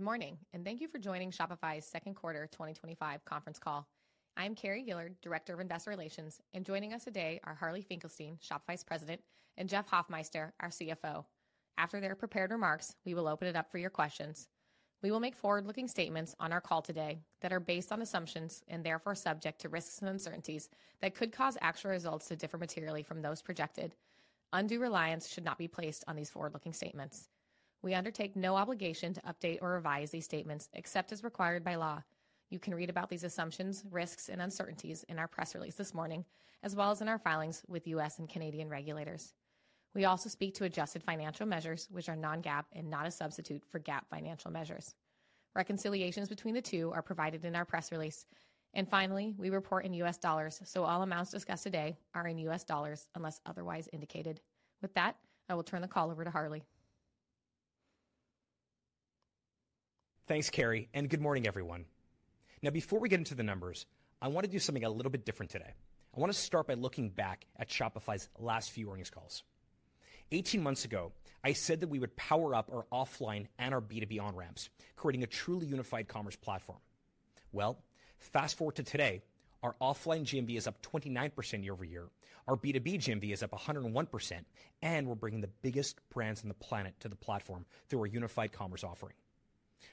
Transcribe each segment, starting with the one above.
Good morning and thank you for joining Shopify's second quarter 2025 conference call. I'm Carrie Gillard, Director of Investor Relations, and joining us today are Harley Finkelstein, Shopify's President, and Jeff Hoffmeister, our CFO. After their prepared remarks, we will open it up for your questions. We will make forward-looking statements on our call today that are based on assumptions and therefore subject to risks and uncertainties that could cause actual results to differ materially from those projected. Undue reliance should not be placed on these forward-looking statements. We undertake no obligation to update or revise these statements except as required by law. You can read about these assumptions, risks, and uncertainties in our press release this morning, as well as in our filings with U.S. and Canadian regulators. We also speak to adjusted financial measures which are non-GAAP and not a substitute for GAAP financial measures. Reconciliations between the two are provided in our press release. Finally, we report in U.S. Dollars, so all amounts discussed today are in U.S. Dollars unless otherwise indicated. With that, I will turn the call over to Harley. Thanks, Carrie, and good morning everyone. Now, before we get into the numbers, I want to do something a little bit different today. I want to start by looking back at Shopify's last few earnings calls. 18 months ago, I said that we would power up our offline and our B2B on ramps, creating a truly unified commerce platform. Fast forward to today, our offline GMV is up 29% year-over-year. Our B2B GMV is up 101% and we're bringing the biggest brands on the planet to the platform through our unified commerce offering.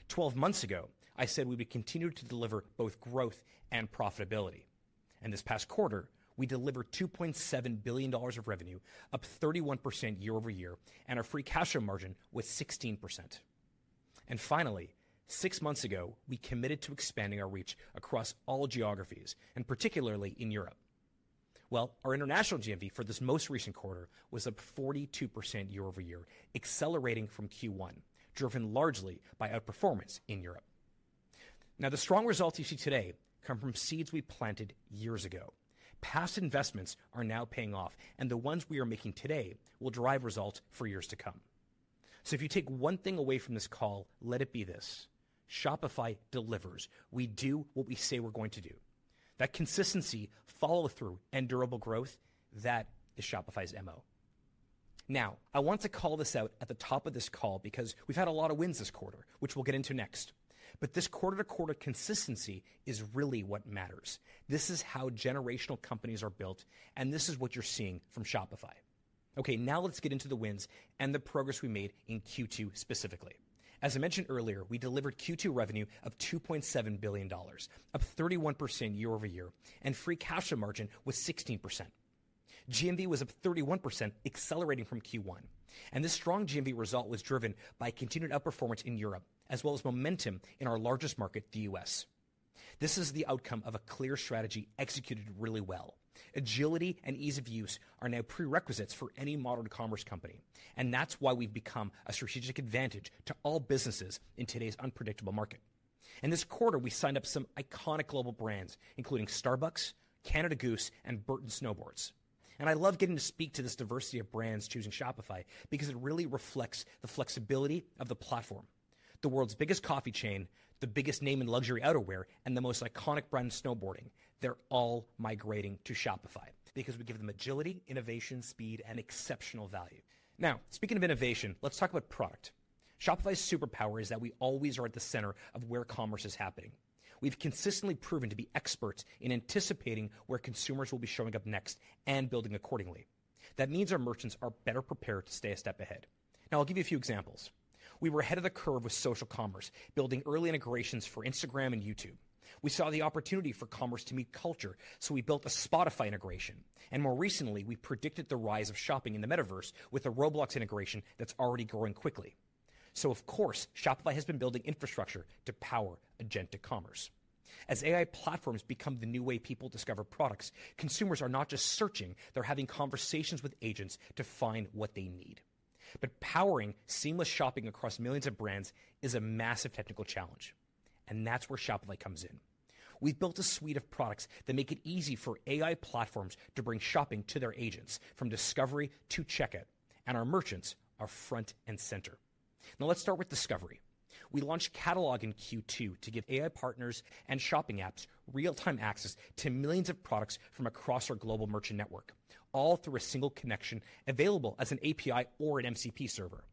12 months ago, I said we would continue to deliver both growth and profitability. This past quarter we delivered $2.7 billion of revenue, up 31% year-over-year, and our free cash flow margin was 16%. Finally, six months ago, we committed to expanding our reach across all geographies and particularly in Europe. Our international GMV for this most recent quarter was up 42% year-over-year, accelerating from Q1, largely by outperformance in Europe. The strong results you see today come from seeds we planted years ago. Past investments are now paying off and the ones we are making today will drive results for years to come. If you take one thing away from this call, let it be this: Shopify delivers. We do what we say we're going to do. That consistency, follow through and durable growth, that is Shopify's MO. I want to call this out at the top of this call because we've had a lot of wins this quarter which we'll get into next. This quarter-to-quarter consistency is really what matters. This is how generational companies are built, and this is what you're seeing from Shopify. Now let's get into the wins and the progress we made in Q2. Specifically, as I mentioned earlier, we delivered Q2 revenue of $2.7 billion, up 31% year-over-year, and free cash flow margin was 16%. GMV was up 31%, accelerating from Q1. This strong GMV result was driven by continued outperformance in Europe as well as momentum in our largest market, the U.S. This is the outcome of a clear strategy executed really well. Agility and ease of use are now prerequisites for any modern commerce company. That's why we've become a strategic advantage to all businesses in today's unpredictable market. This quarter, we signed up some iconic global brands, including Starbucks, Canada Goose and Burton Snowboards. I love getting to speak to this diversity of brands choosing Shopify because it really reflects the flexibility of the platform. The world's biggest coffee chain, the biggest name in luxury outerwear, and the most iconic brand in snowboarding are all migrating to Shopify because we give them agility, innovation, speed, and exceptional value. Speaking of innovation, let's talk about product. Shopify's superpower is that we always are at the center of where commerce is happening. We've consistently proven to be experts in anticipating where consumers will be showing up next and building accordingly. That means our merchants are better prepared to stay a step ahead. I'll give you a few examples. We were ahead of the curve with social commerce, building early integrations for Instagram and YouTube Shopping. We saw the opportunity for commerce to meet culture, so we built a Spotify integration. More recently, we predicted the rise of shopping in the metaverse with a Roblox integration that's already growing quickly. Shopify has been building infrastructure to power agent-to-commerce. As AI platforms become the new way people discover products, consumers are not just searching, they're having conversations with agents to find what they need. Powering seamless shopping across millions of brands is a massive technical challenge. That's where Shopify comes in. We've built a suite of products that make it easy for AI platforms to bring shopping to their agents from discovery to checkout, and our merchants are front and center. Let's start with discovery. We launched Shopify Catalog in Q2 to give AI partners and shopping apps real-time access to millions of products from across our global merchant network, all through a single connection available as an API or an MCP server.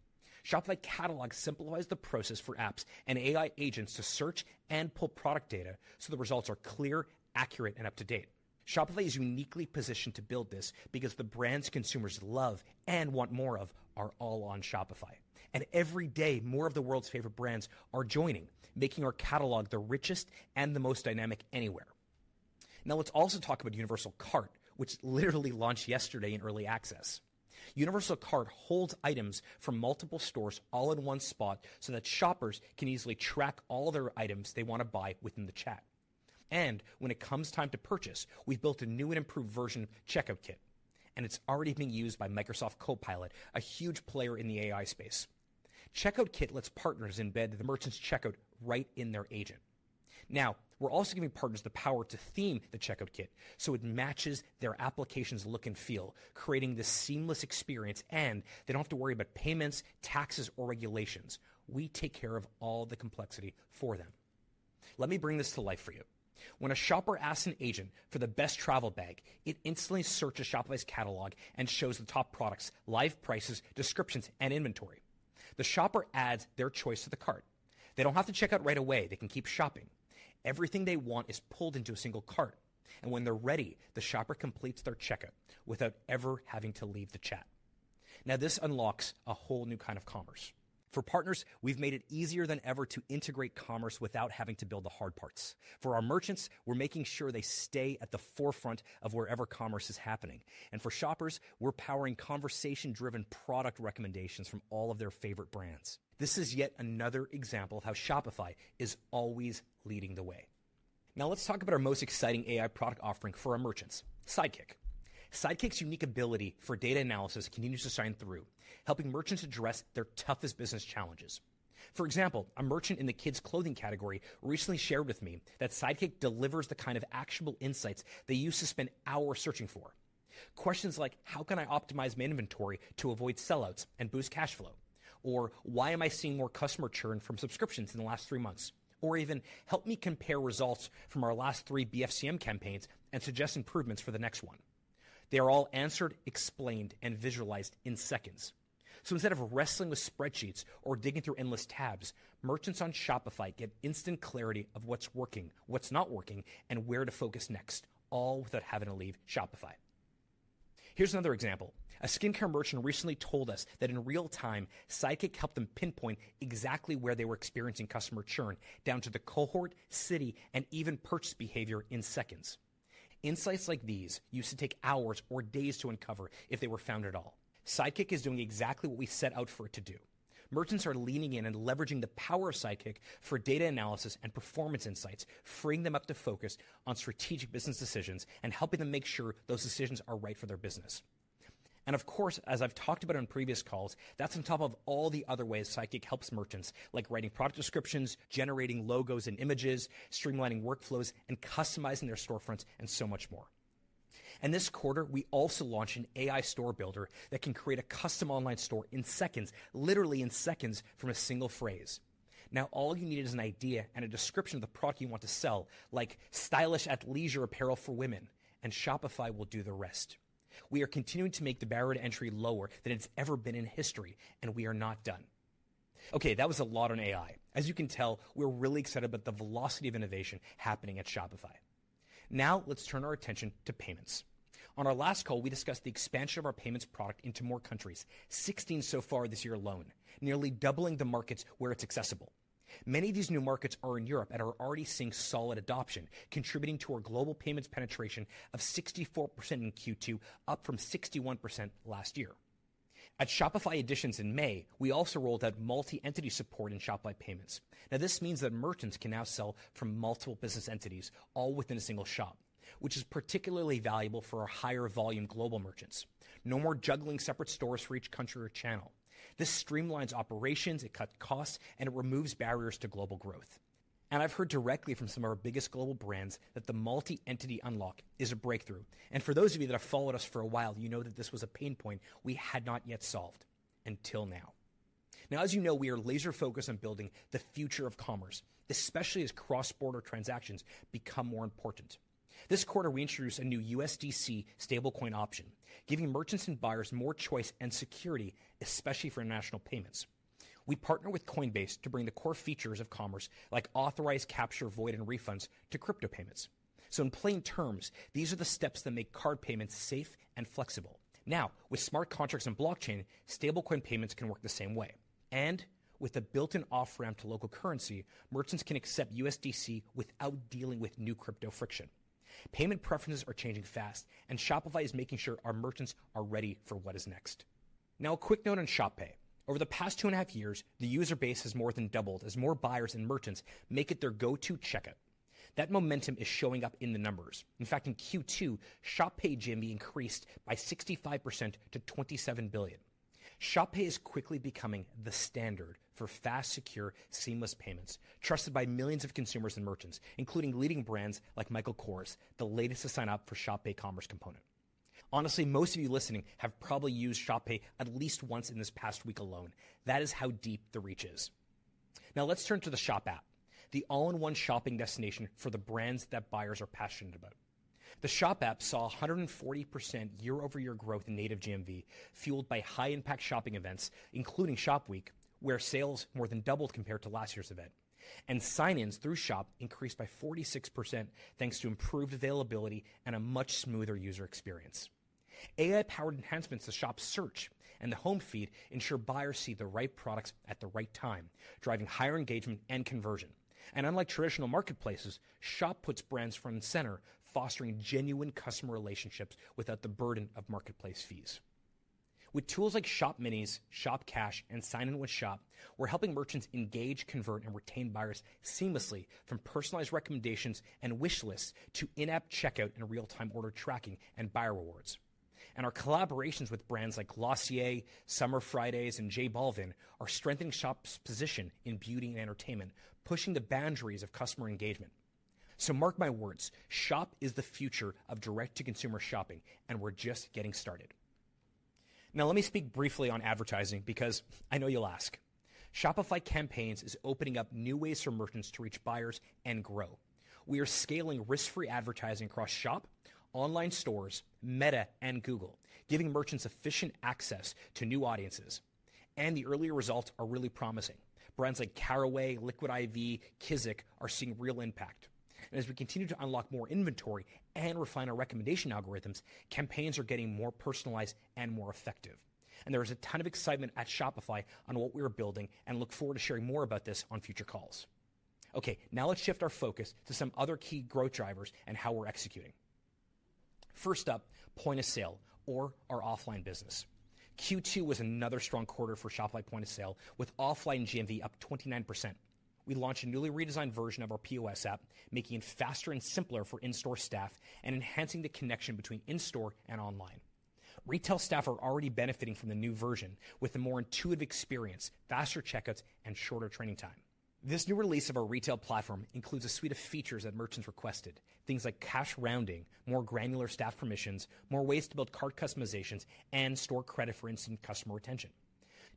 Shopify Catalog simplifies the process for apps and AI agents to search and pull product data so the results are clear, accurate, and up to date. Shopify is uniquely positioned to build this because the brands consumers love and want more of are all on Shopify, and every day more of the world's favorite brands are joining, making our catalog the richest and the most dynamic anywhere. Let's also talk about Universal Cart, which literally launched yesterday in early access. Universal Cart holds items from multiple stores all in one spot so that shoppers can easily track all the items they want to buy within the chat. When it comes time to purchase, we've built a new and improved version of Checkout Kit and it's already being used by Microsoft Copilot, a huge player in the AI space. Checkout Kit lets partners embed the merchant's checkout right in their agent. We are also giving partners the power to theme the Checkout Kit so it matches their application's look and feel, creating this seamless experience. They don't have to worry about payments, taxes, or regulations. We take care of all the complexity for them. Let me bring this to life for you. When a shopper asks an agent for the best travel bag, it instantly searches Shopify's Catalog and shows the top products, live prices, descriptions, and inventory. The shopper adds their choice to the cart. They don't have to check out right away. They can keep shopping. Everything they want is pulled into a single cart. When they're ready, the shopper completes their checkout without ever having to leave the chat. This unlocks a whole new kind of commerce for partners. We've made it easier than ever to integrate commerce without having to build the hard parts. For our merchants, we're making sure they stay at the forefront of wherever commerce is happening. For shoppers, we're powering conversation-driven product recommendations from all of their favorite brands. This is yet another example of how Shopify is always leading the way. Now let's talk about our most exciting AI product offering for our merchants: Sidekick. Sidekick's unique ability for data analysis continues to shine through, helping merchants address their toughest business challenges. For example, a merchant in the kids' clothing category recently shared with me that Sidekick delivers the kind of actionable insights they used to spend hours searching for. Questions like, how can I optimize my inventory to avoid sellouts and boost cash flow? Or, why am I seeing more customer churn from subscriptions in the last three months? Or even, help me compare results from our last three BFCM campaigns and suggest improvements for the next one. They are all answered, explained, and visualized in seconds. Instead of wrestling with spreadsheets or digging through endless tabs, merchants on Shopify get instant clarity of what's working, what's not working, and where to focus next, all without having to leave Shopify. Here's another example. A skincare merchant recently told us that in real time, Sidekick helped them pinpoint exactly where they were experiencing customer churn down to the cohort city and even purchase behavior in seconds. Insights like these used to take hours or days to uncover if they were found at all. Sidekick is doing exactly what we set out for it to do. Merchants are leaning in and leveraging the power of Sidekick for data analysis and performance insights, freeing them up to focus on strategic business decisions and helping them make sure those decisions are right for their business. Of course, as I've talked about on previous calls, that's on top of all the other ways Sidekick helps merchants like writing product descriptions, generating logos and images, streamlining workflows and customizing their storefronts, and so much more. This quarter we also launched an AI store builder that can create a custom online store in seconds. Literally in seconds from a single phrase. Now all you need is an idea and a description of the product you want to sell, like stylish Athleisure apparel for women. Shopify will do the rest. We are continuing to make the barrier to entry lower than it's ever been in history, and we are not done. Okay, that was a lot on AI. As you can tell, we're really excited about the velocity of innovation happening at Shopify. Now let's turn our attention to payments. On our last call, we discussed the expansion of our payments product into more countries, 16 so far this year alone, nearly doubling the markets where it's accessible. Many of these new markets are in Europe and are already seeing solid adoption, contributing to our global payments penetration of 64% in Q2, up from 61% last year at Shopify Editions. In May, we also rolled out multi-entity support in Shopify Payments. This means that merchants can now sell from multiple business entities all within a single shop, which is particularly valuable for our higher volume global merchants. No more juggling separate stores for each country or channel. This streamlines operations, it cuts costs and it removes barriers to global growth. I've heard directly from some of our biggest global brands that the multi-entity unlock is a breakthrough and for those of you that have followed us for a while, you know that this was a pain we had not yet solved until now. Now as you know we are laser focused on building the future of commerce, especially as cross-border transactions become more important. This quarter we introduced a new USDC stablecoin option, giving merchants and buyers more choice and security, especially for international payments. We partner with Coinbase to bring the core features of commerce like authorize, capture, void, and refunds to crypto payments. In plain terms, these are the steps that make card payments safe and flexible. Now with smart contracts and blockchain, stablecoin payments can work the same way. With the built-in off-ramp to local currency, merchants can accept USDC without dealing with new crypto friction. Payment preferences are changing fast and Shopify is making sure our merchants are ready for what is next. Now a quick note on Shop Pay. Over the past two and a half years, the user base has more than doubled as more buyers and merchants make it their go-to checkout. That momentum is showing up in the numbers. In fact, in Q2, Shop Pay GMV increased by 65% to $27 billion. Shop Pay is quickly becoming the standard for fast, secure, seamless payments trusted by millions of consumers and merchants, including leading brands like Michael Kors, the latest to sign up for Shop Pay Commerce Component. Honestly, most of you listening have probably used Shop Pay at least once in this past week alone. That is how deep the reach is. Now let's turn to the Shop app, the all-in-one shopping destination for the brands that buyers are passionate about. The Shop app saw 140% year-over-year growth in native GMV, fueled by high-impact shopping events including Shop Week, where sales more than doubled compared to last year's event, and sign-ins through Shop increased by 46% thanks to improved availability and a much smoother user experience. AI-powered enhancements to Shop Search and the Home Feed ensure buyers see the right products at the right time, driving higher engagement and conversion. Unlike traditional marketplaces, Shop puts brands front and center, fostering genuine customer relationships without the burden of marketplace fees. With tools like Shop Minis, Shop Cash, and Sign in with Shop, we're helping merchants engage, convert, and retain buyers seamlessly from personalized recommendations and wish lists to in-app checkout and real-time order tracking and buyer rewards. Our collaborations with brands like Glossier, Summer Fridays, and J Balvin are strengthening Shop's position in beauty and entertainment, pushing the boundaries of customer engagement. Mark my words, Shop is the future of direct to consumer shopping and we're just getting started. Let me speak briefly on advertising because I know you'll ask. Shopify campaigns is opening up new ways for merchants to reach buyers and grow. We are scaling risk free advertising across Shop, online stores, Meta, and Google, giving merchants efficient access to new audiences, and the earlier results are really promising. Brands like Caraway, Liquid I.V., and Kizik are seeing real impact, and as we continue to unlock more inventory and refine our recommendation algorithms, campaigns are getting more personalized and more effective. There is a ton of excitement at Shopify on what we are building and we look forward to sharing more about this on future calls. Now let's shift our focus to some other key growth drivers and how we're executing. First up, Point-of-Sale, or our offline business. Q2 was another strong quarter for Shopify Point-of-Sale, with offline GMV up 29%. We launched a newly redesigned version of our POS app, making it faster and simpler for in-store staff and enhancing the connection between in-store and online. Retail staff are already benefiting from the new version with a more intuitive experience, faster checkouts, and shorter training time. This new release of our retail platform includes a suite of features that merchants requested, things like cash rounding, more granular staff permissions, more ways to build cart customizations, and store credit for instant customer retention.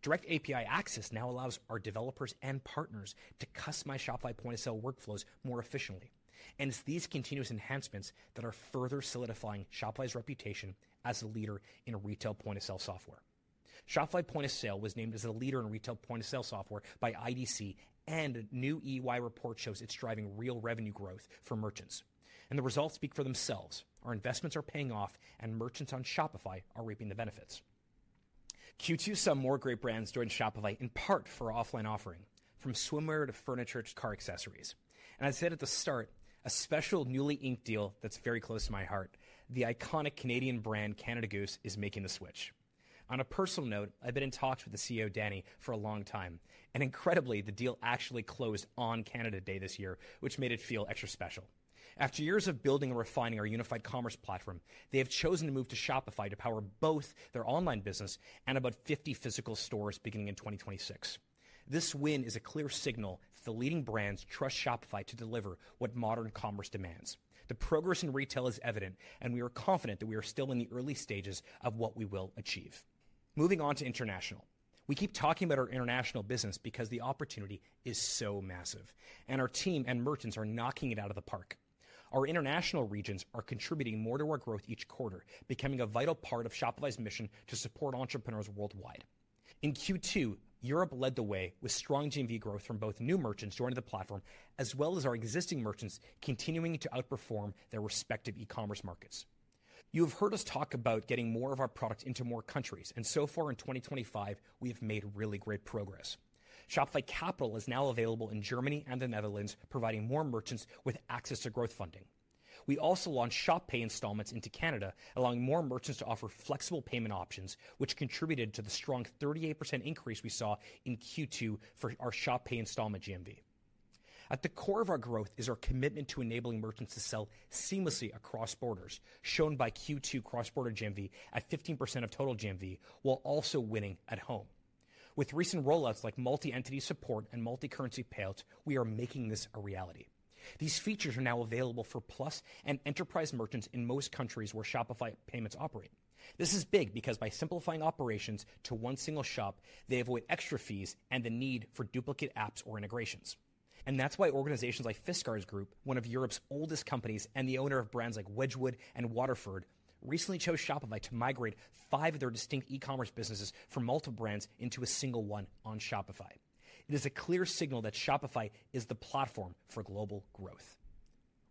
Direct API access now allows our developers and partners to customize Shopify Point-of-Sale workflows more efficiently, and it's these continuous enhancements that are further solidifying Shopify's reputation as a leader in retail point-of-sale software. Shopify Point-of-Sale was named as a leader in retail point-of-sale software by IDC, and a new EY report shows it's driving real revenue growth for merchants and the results speak for themselves. Our investments are paying off and merchants on Shopify are reaping the benefits. Q2 saw more great brands join Shopify in part for our offline offering, from swimwear to furniture to car accessories. I said at the start, a special newly inked deal that's very close to my heart: the iconic Canadian brand Canada Goose is making the switch. On a personal note, I've been in talks with the CEO Danny for a long time, and incredibly, the deal actually closed on Canada Day this year, which made it feel extra special. After years of building and refining our unified commerce platform, they have chosen to move to Shopify to power both their online business and about 50 physical stores beginning in 2026. This win is a clear signal that the leading brands trust Shopify to deliver what modern commerce demands. The progress in retail is evident, and we are confident that we are still in the early stages of what we will achieve. Moving on to international, we keep talking about our international business because the opportunity is so massive, and our team and merchants are knocking it out of the park. Our international regions are contributing more to our growth each quarter, becoming a vital part of Shopify's mission to support entrepreneurs worldwide. In Q2, Europe led the way with strong GMV growth from both new merchants joining the platform as well as our existing merchants continuing to outperform their respective e-commerce markets. You have heard us talk about getting more of our product into more countries, and so far in 2025 we've made really great progress. Shopify Capital is now available in Germany and the Netherlands, providing more merchants with access to growth funding. We also launched Shop Pay Installments into Canada, allowing more merchants to offer flexible payment options, which contributed to the strong 38% increase we saw in Q2 for our Shop Pay installment GMV. At the core of our growth is our commitment to enabling merchants to sell seamlessly across borders, shown by Q2 cross-border GMV at 15% of total GMV while also winning at home. With recent rollouts like multi-entity support and multi-currency payouts, we are making this a reality. These features are now available for Plus and enterprise merchants in most countries where Shopify Payments operate. This is big because by simplifying operations to one single shop, they avoid extra fees and the need for duplicate apps or integrations. That is why organizations like Fiskars Group, one of Europe's oldest companies and the owner of brands like Wedgwood and Waterford, recently chose Shopify to migrate five of their distinct e-commerce businesses from multiple brands into a single one on Shopify. It is a clear signal that Shopify is the platform for global growth.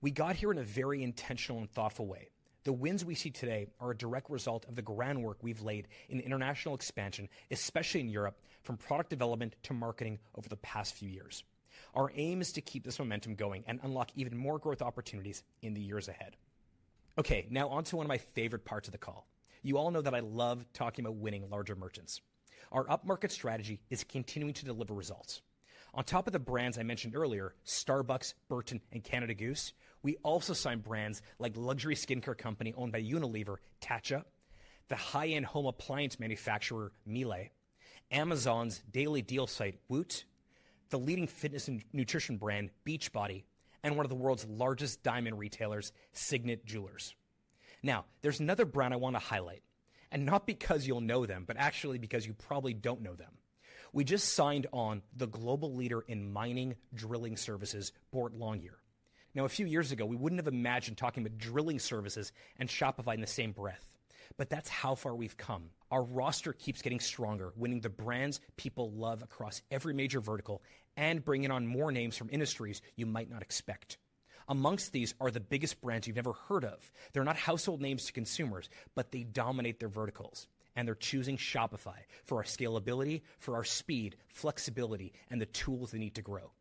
We got here in a very intentional and thoughtful way. The wins we see today are a direct result of the groundwork we've laid in international expansion, especially in Europe, from product development to marketing over the past few years. Our aim is to keep this momentum going and unlock even more growth opportunities in the years ahead. Okay, now onto one of my favorite parts of the call. You all know that I love talking about winning larger merchants. Our upmarket strategy is continuing to deliver results. On top of the brands I mentioned earlier, Starbucks, Burton Snowboards, and Canada Goose, we also sign brands like luxury skincare company owned by Unilever, Tatcha, the high-end home appliance manufacturer Miele, Amazon's daily deal site Woot, the leading fitness and nutrition brand Beachbody, and one of the world's largest diamond retailers, Signet Jewelers. Now, there's another brand I want to highlight, and not because you'll know them, but actually because you probably don't know them. We just signed on the global leader in mining drilling services, Boart Longyear. A few years ago, we wouldn't have imagined talking about drilling services and Shopify in the same breath, but that's how far we've come. Our roster keeps getting stronger, winning the brands people love across every major vertical and bringing on more names from industries you might not expect. Amongst these are the biggest brands you've never heard of. They're not household names to consumers, but they dominate their verticals, and they're choosing Shopify for our scalability, for our speed, flexibility, and the tools they need to grow.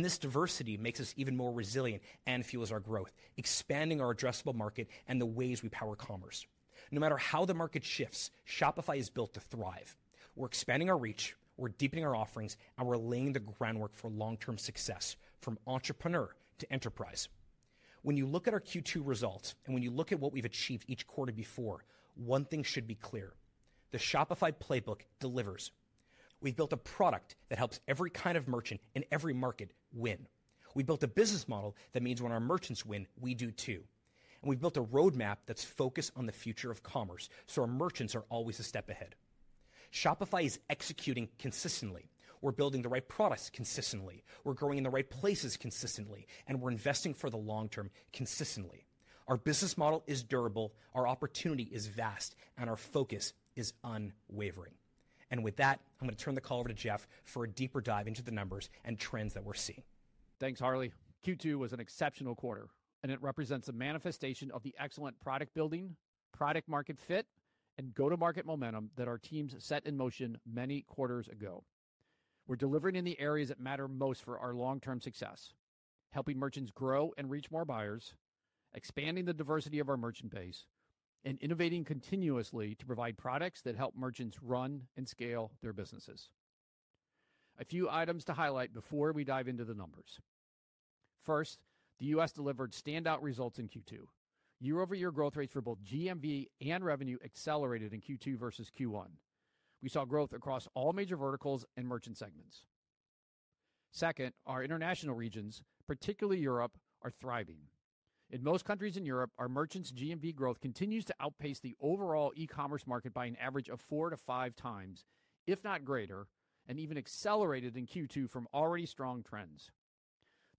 This diversity makes us even more resilient and fuels our growth, expanding our addressable market and the ways we power commerce. No matter how the market shifts, Shopify is built to thrive. We're expanding our reach, we're deepening our offerings, and we're laying the groundwork for long-term success from entrepreneur to enterprise. When you look at our Q2 results and when you look at what we've achieved each quarter before, one thing should be clear: the Shopify Playbook delivers. We've built a product that helps every kind of merchant in every market win. We built a business model that means when our merchants win, we do too. We've built a roadmap that's focused on the future of commerce, so our merchants are always a step ahead. Shopify is executing consistently. We're building the right products consistently. We're growing in the right places consistently. We're investing for the long term. Consistently. Consistently. Our business model is durable, our opportunity is vast, and our focus is unwavering. With that, I'm going to turn the call over to Jeff for a deeper dive into the numbers and trends that we're seeing. Thanks, Harley. Q2 was an exceptional quarter and it represents a manifestation of the excellent product building, product market fit, and go to market momentum that our teams set in motion many quarters ago. We're delivering in the areas that matter most for our long term success: helping merchants grow and reach more buyers, expanding the diversity of our merchant base, and innovating continuously to provide products that help merchants run and scale their businesses. A few items to highlight before we dive into the numbers. First, the U.S. delivered standout results in Q2. Year-over-year growth rates for both GMV and revenue accelerated in Q2 vs Q1. We saw growth across all major verticals and merchant segments. Second, our international regions, particularly Europe, are thriving. In most countries in Europe, our merchants' GMV growth continues to outpace the overall e-commerce market by an average of 4%-5% if not greater, and even accelerated in Q2 from already strong trends.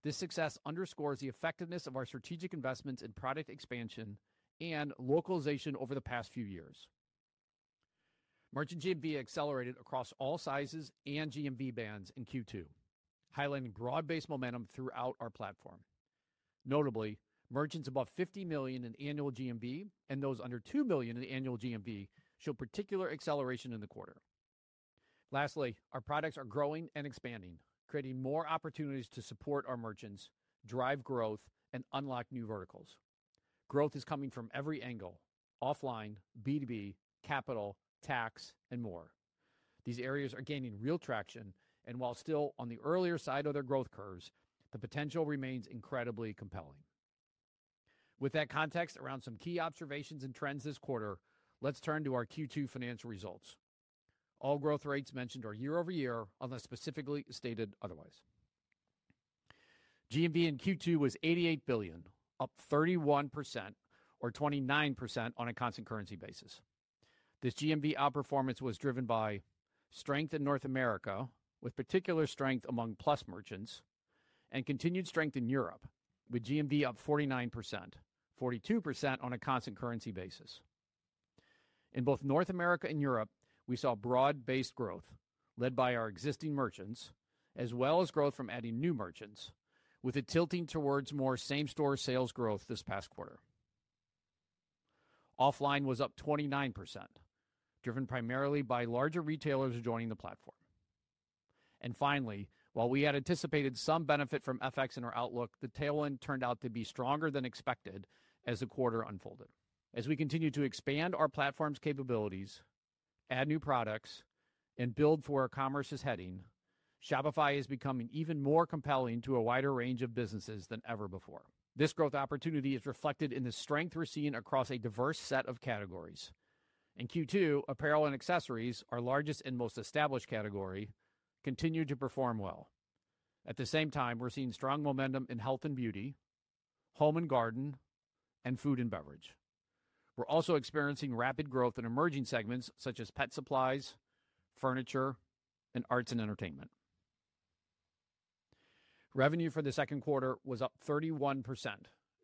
This success underscores the effectiveness of our strategic investments in product expansion and localization. Over the past few years, merchant GMV accelerated across all sizes and GMV bands in Q2, highlighting broad based momentum throughout our platform. Notably, merchants above $50 million in annual GMV and those under $2 million in annual GMV showed particular acceleration in the quarter. Lastly, our products are growing and expanding, creating more opportunities to support our merchants, drive growth, and unlock new verticals. Growth is coming from every angle: offline, B2B, capital, tax, and more. These areas are gaining real traction, and while still on the earlier side of their growth curves, the potential remains incredibly compelling. With that context around some key observations and trends this quarter, let's turn to our Q2 financial results. All growth rates mentioned are year-over-year unless specifically stated otherwise. GMV in Q2 was $88 billion, up 31% or 29% on a constant currency basis. This GMV outperformance was driven by strength in North America, with particular strength among Plus merchants, and continued strength in Europe, with GMV up 49%, 42% on a constant currency basis. In both North America and Europe, we saw broad based growth led by our existing merchants as well as growth from adding new merchants, with it tilting towards more same store sales growth this past quarter. Offline was up 29%, driven primarily by larger retailers joining the platform. Finally, while we had anticipated some benefit from FX in our outlook, the tailwind turned out to be stronger than expected as the quarter unfolded. As we continue to expand our platform's capabilities, add new products, and build for where commerce is heading, Shopify is becoming even more compelling to a wider range of businesses than ever before. This growth opportunity is reflected in the strength we're seeing across a diverse set of categories. In Q2, apparel and accessories, our largest and most established category, continued to perform well. At the same time, we're seeing strong momentum in health and beauty, home and garden, and food and beverage. We're also experiencing rapid growth in emerging segments such as pet supplies, furniture, and arts and entertainment. Revenue for the second quarter was up 31%,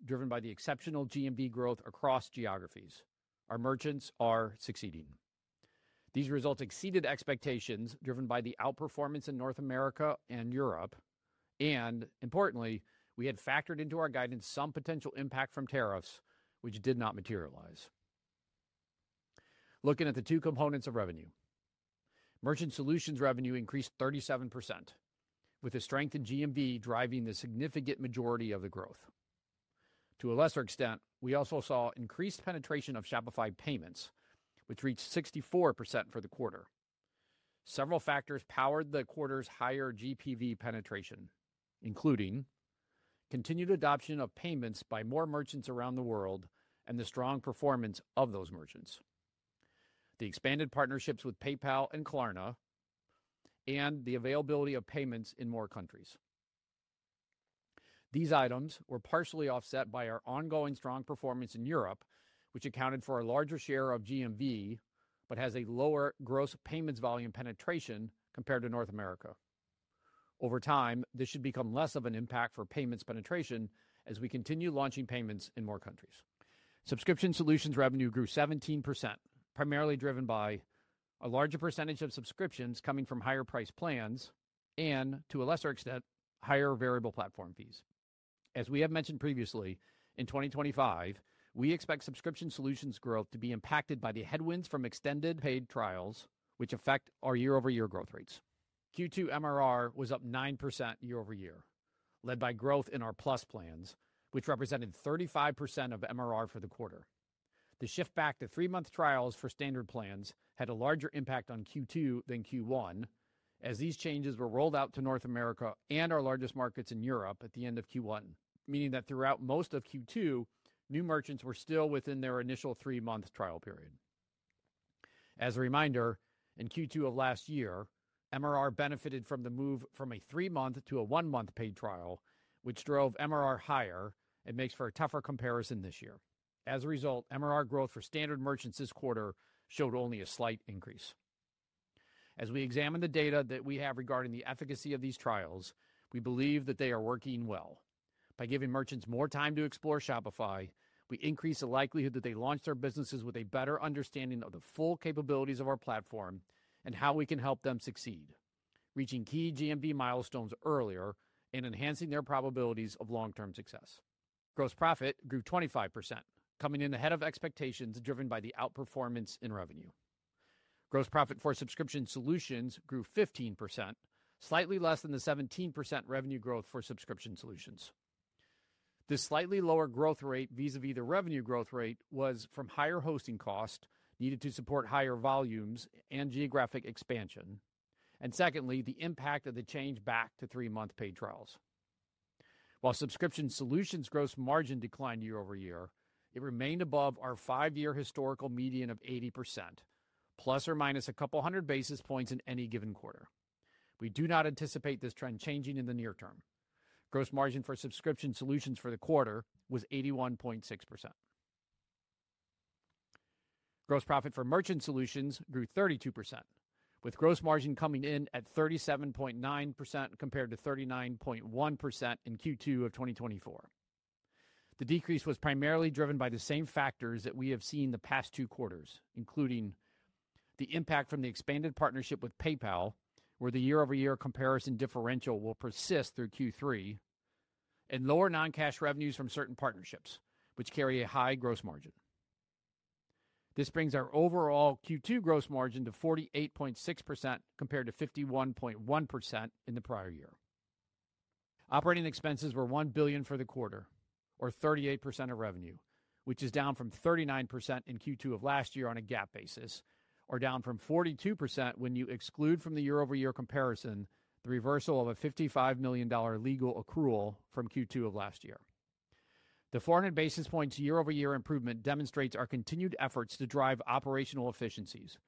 driven by the exceptional GMV growth across geographies. Our merchants are succeeding. These results exceeded expectations, driven by the outperformance in North America and Europe, and importantly, we had factored into our guidance some potential impact from tariffs which did not materialize. Looking at the two components of revenue, Merchant Solutions revenue increased 37%, with the strength in GMV driving the significant majority of the growth. To a lesser extent, we also saw increased penetration of Shopify Payments, which reached 64% for the quarter. Several factors powered the quarter's higher GPV penetration, including continued adoption of payments by more merchants around the world and the strong performance of those merchants, the expanded partnerships with PayPal and Klarna, and the availability of payments in more countries. These items were partially offset by our ongoing strong performance in Europe, which accounted for a larger share of GMV but has a lower gross payments volume penetration compared to North America. Over time, this should become less of an impact for payments penetration as we continue launching payments in more countries. Subscription Solutions revenue grew 17%, primarily driven by a larger percentage of subscriptions coming from higher priced plans and, to a lesser extent, higher variable platform fees. As we have mentioned previously, in 2025 we expect Subscription Solutions growth to be impacted by the headwinds from extended paid trials, which affect our year-over-year growth rates. Q2 MRR was up 9% year-over-year, led by growth in our Plus plans, which represented 35% of MRR for the quarter. The shift back to three month trials for standard plans had a larger impact on Q2 than Q1, as these changes were rolled out to North America and our largest markets in Europe at the end of Q1, meaning that throughout most of Q2, new merchants were still within their initial three month trial period. As a reminder, in Q2 of last year, MRR benefited from the move from a three month to a one month paid trial, which drove MRR higher and makes for a tougher comparison this year. As a result, MRR growth for standard merchants this quarter showed only a slight increase. As we examine the data that we have regarding the efficacy of these trials, we believe that they are working well. By giving merchants more time to explore Shopify, we increase the likelihood that they launch their businesses with a better understanding of the full capabilities of our platform and how we can help them succeed, reaching key GMV milestones earlier and enhancing their probabilities of long term success. Gross profit grew 25%, coming in ahead of expectations, driven by the outperformance in revenue. Gross profit for Subscription Solutions grew 15%, slightly less than the 17% revenue growth for Subscription Solutions. This slightly lower growth rate vis a vis the revenue growth rate was from higher hosting cost needed to support higher volumes and geographic expansion, and secondly the impact of the change back to three month paid trials. While Subscription Solutions gross margin declined year-over-year, it remained above our five year historical median of 80% ± a couple hundred basis points in any given quarter. We do not anticipate this trend changing in the near term. Gross margin for Subscription Solutions for the quarter was 81.6%. Gross profit for Merchant Solutions grew 32%, with gross margin coming in at 37.9% compared to 39.1% in Q2 of 2024. The decrease was primarily driven by the same factors that we have seen the past two quarters, including the impact from the expanded partnership with PayPal, where the year-over-year comparison differential will persist through Q3, and lower non cash revenues from certain partnerships which carry a high gross margin. This brings our overall Q2 gross margin to 48.6% compared to 51.1% in the prior year. Operating expenses were $1 billion for the quarter or 38% of revenue, which is down from 39% in Q2 of last year on a GAAP basis or down from 42% when you exclude from the year-over-year comparison the reversal of a $55 million legal accrual from Q2 of last year. The 400 basis points year-over-year improvement demonstrates our continued efforts to drive operational efficiencies,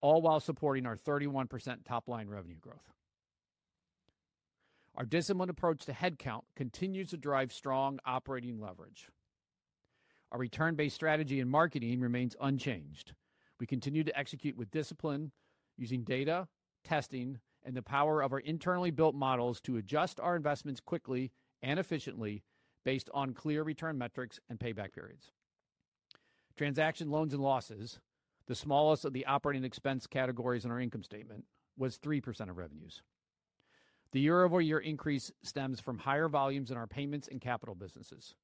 all while supporting our 31% top line revenue growth. Our disciplined approach to headcount continues to drive strong operating leverage. Our return based strategy in marketing remains unchanged. We continue to execute with discipline using data, testing, and the power of our internally built models to adjust our investments quickly and efficiently based on clear return metrics and payback periods. Transaction Loans and Losses, the smallest of the operating expense categories in our income statement, was 3% of revenues. The year-over-year increase stems from higher volumes in our payments and capital businesses.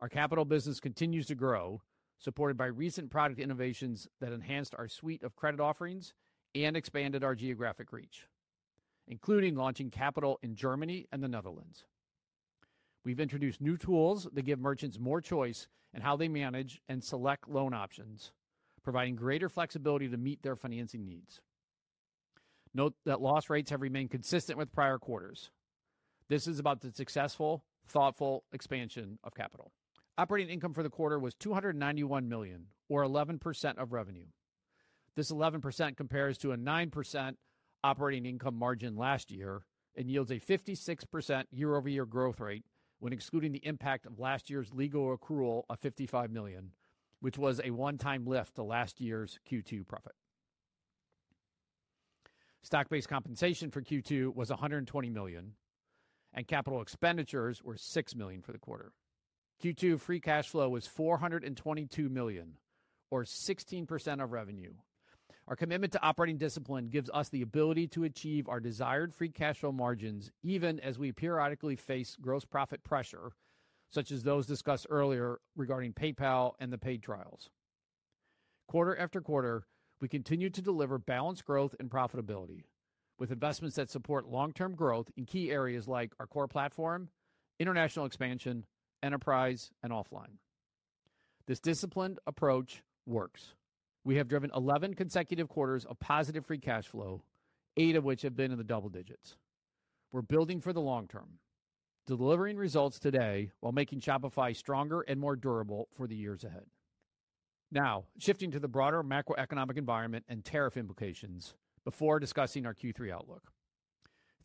Our capital business continues to grow, supported by recent product innovations that enhanced our suite of credit offerings and expanded our geographic reach, including launching capital in Germany and the Netherlands. We've introduced new tools that give merchants more choice in how they manage and select loan options, providing greater flexibility to meet their financing needs. Note that loss rates have remained consistent with prior quarters. This is about the successful, thoughtful expansion of capital. Operating income for the quarter was $291 million or 11% of revenue. This 11% compares to a 9% operating income margin last year and yields a 56% year-over-year growth rate when excluding the impact of last year's legal accrual of $55 million, which was a one time lift to last year's Q2 profit. Stock based compensation for Q2 was $120 million and capital expenditures were $6 million. For the quarter, Q2 free cash flow was $422 million or 16% of revenue. Our commitment to operating discipline gives us the ability to achieve our desired free cash flow margins. Even as we periodically face gross profit pressure, such as those discussed earlier regarding PayPal and the paid trials, quarter-after-quarter, we continue to deliver balanced growth and profitability with investments that support long term growth in key areas like our core platform, international expansion, enterprise, and offline. This disciplined approach works. We have driven 11 consecutive quarters of positive free cash flow, eight of which have been in the double-digits. We're building for the long term, delivering results today while making Shopify stronger and more durable for the years ahead. Now shifting to the broader macro-economic environment and tariff implications before discussing our Q3 outlook,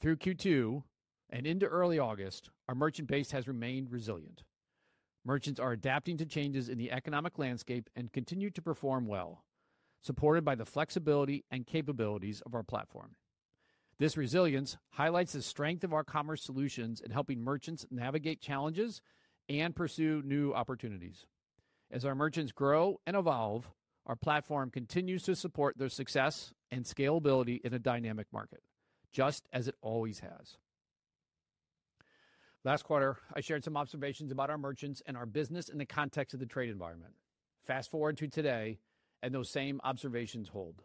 through Q2 and into early August, our merchant base has remained resilient. Merchants are adapting to changes in the economic landscape and continue to perform well, supported by the flexibility and capabilities of our platform. This resilience highlights the strength of our commerce solutions in helping merchants navigate challenges and pursue new opportunities. As our merchants grow and evolve, our platform continues to support their success and scalability in a dynamic market, just as it always has. Last quarter I shared some observations about our merchants and our business in the context of the trade environment. Fast forward to today and those same observations hold.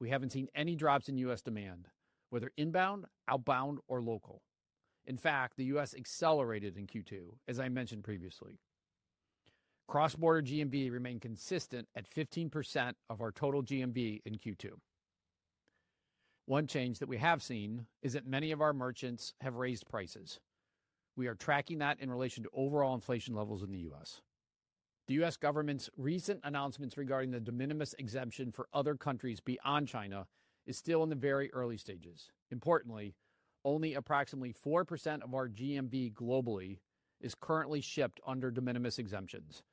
We haven't seen any drops in U.S. demand, whether inbound, outbound, or local. In fact, the U.S. accelerated in Q2. As I mentioned previously, cross border GMV remained consistent at 15% of our total GMV in Q2. One change that we have seen is that many of our merchants have raised prices. We are tracking that in relation to overall inflation levels in the U.S. The U.S. Government's recent announcements regarding the de minimis exemption for other countries beyond China is still in the very early stages. Importantly, only approximately 4% of our GMV globally is currently shipped under de minimis exemptions,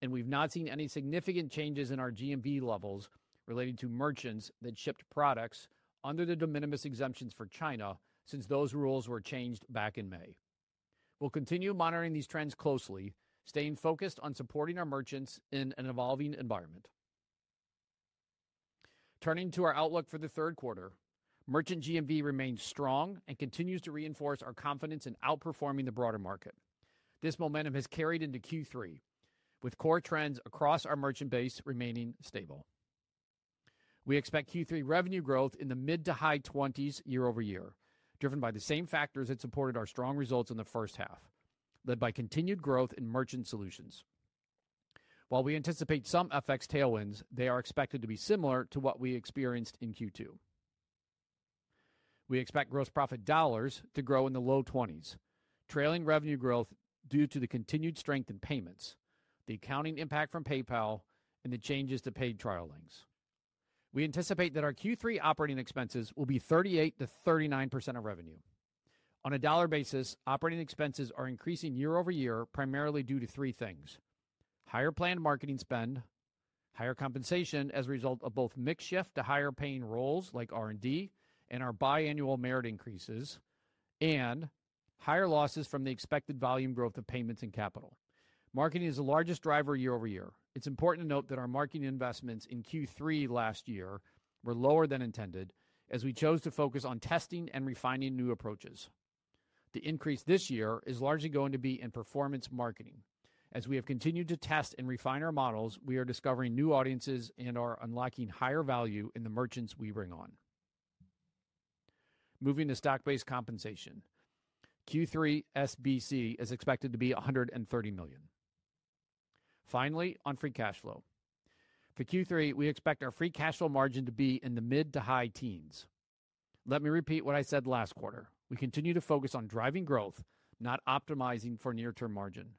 and we've not seen any significant changes in our GMV levels related to merchants that shipped products under the de minimis exemptions for China. Since those rules were changed back in May, we'll continue monitoring these trends closely, staying focused on supporting our merchants in an evolving environment. Turning to our outlook for the third quarter, merchant GMV remains strong and continues to reinforce our confidence in outperforming the broader market. This momentum has carried into Q3 with core trends across our merchant base remaining stable. We expect Q3 revenue growth in the mid to high 20% year-over-year, driven by the same factors that supported our strong results in the first half, led by continued growth in merchant solutions. While we anticipate some FX tailwinds, they are expected to be similar to what we experienced in Q2. We expect gross profit dollars to grow in the low 20s trailing revenue growth due to the continued strength in payments, the accounting impact from PayPal, and the changes to paid trial links. We anticipate that our Q3 operating expenses will be 38%-39% of revenue on a dollar basis. Operating expenses are increasing year-over-year primarily due to three: higher planned marketing spend, higher compensation as a result of both mix shift to higher paying roles like R&D and our biannual merit increases, and higher losses from the expected volume growth of payments and capital. Marketing is the largest driver year-over-year. It's important to note that our marketing investments in Q3 last year were lower than intended as we chose to focus on testing and refining new approaches. The increase this year is largely going to be in performance marketing. As we have continued to test and refine our models, we are discovering new audiences and are unlocking higher value in the merchants we bring on moving to stock-based compensation, Q3 SBC is expected to be $130 million. Finally, on free cash flow for Q3, we expect our free cash flow margin to be in the mid to high teens. Let me repeat what I said last quarter. We continue to focus on driving growth, not optimizing for near-term margin.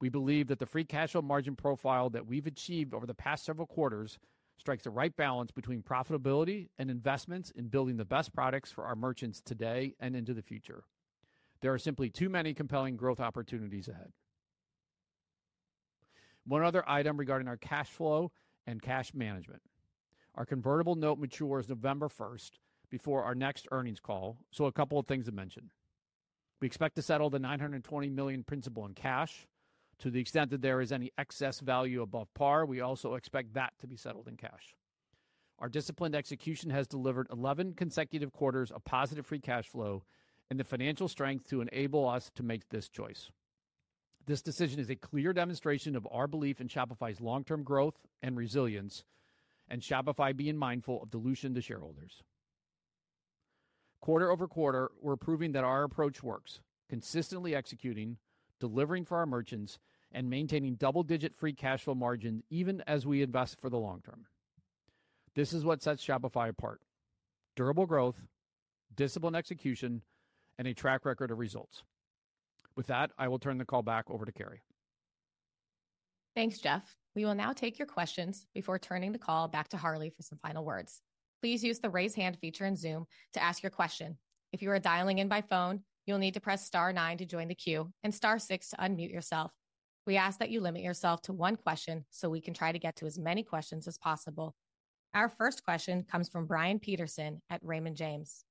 We believe that the free cash flow margin profile that we've achieved over the past several quarters strikes the right balance between profitability and investments in building the best products for our merchants today and into the future. There are simply too many compelling growth opportunities ahead. One other item regarding our cash flow and cash management: our convertible note matures November 1 before our next earnings call. A couple of things to mention. We expect to settle the $920 million principal in cash. To the extent that there is any excess value above par, we also expect that to be settled in cash. Our disciplined execution has delivered 11 consecutive quarters of positive free cash flow and the financial strength to enable us to make this choice. This decision is a clear demonstration of our belief in Shopify's long-term growth and resilience and Shopify being mindful of dilution to shareholders. Quarter-over-quarter we're proving that our approach works, consistently executing, delivering for our merchants, and maintaining double-digit free cash flow margin even as we invest for the long term. This is what sets Shopify apart. Durable growth, disciplined execution, and a track record of results. With that, I will turn the call back over to Carrie. Thanks, Jeff. We will now take your questions before turning the call back to Harley for some final words. Please use the Raise hand feature in Zoom to ask your question. If you are dialing in by phone, you'll need to press star nine to join the queue and star six to unmute yourself. We ask that you limit yourself to one question so we can try to get to as many questions as possible. Our first question comes from Brian Peterson at Raymond James.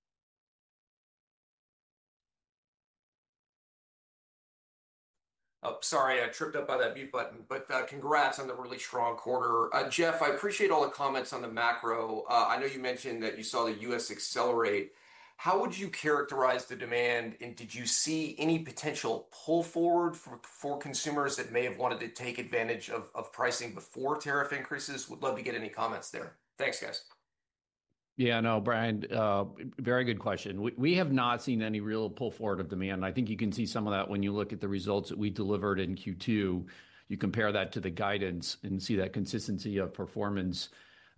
Oh, sorry, I tripped up by that mute button, but congrats on the really strong quarter, Jeff. I appreciate all the comments on the macro. I know you mentioned that you saw the U.S. accelerate. How would you characterize the demand? Did you see any potential pull forward for consumers that may have wanted to take advantage of pricing before tariff increases? Would love to get any comments there. Thanks guys. Yeah, no, Brian, very good question. We have not seen any real pull forward of demand. I think you can see some of that when you look at the results that we delivered in Q2. You compare that to the guidance and see that consistency of performance.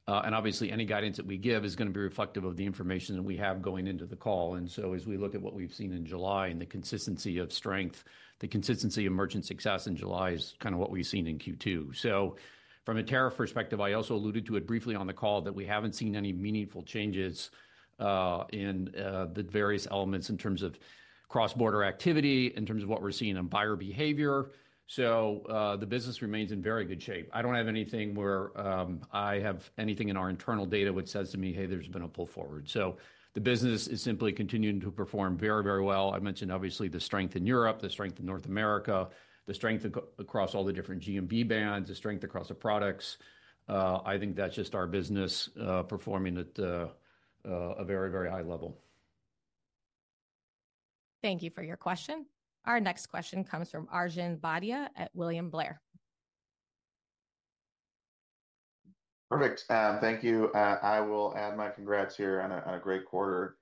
Obviously, any guidance that we give is going to be reflective of the information that we have going into the call. As we look at what we've seen in July and the consistency of strength, the consistency of merchant success in July is kind of what we've seen in Q2. From a tariff perspective, I also alluded to it briefly on the call that we haven't seen any meaningful changes in the various elements in terms of cross-border activity, in terms of what we're seeing in buyer behavior. The business remains in very good shape. I don't have anything where I have anything in our internal data which says to me, hey, there's been a pull forward. The business is simply continuing to perform very, very well. I mentioned obviously the strength in Europe, the strength in North America, the strength across all the different GMV bands, the strength across the products. I think that's just our business performing at a very, very high level. Thank you for your question. Our next question comes from Arjun Bhatia at William Blair. Perfect, thank you. I will add my congrats here on a great quarter.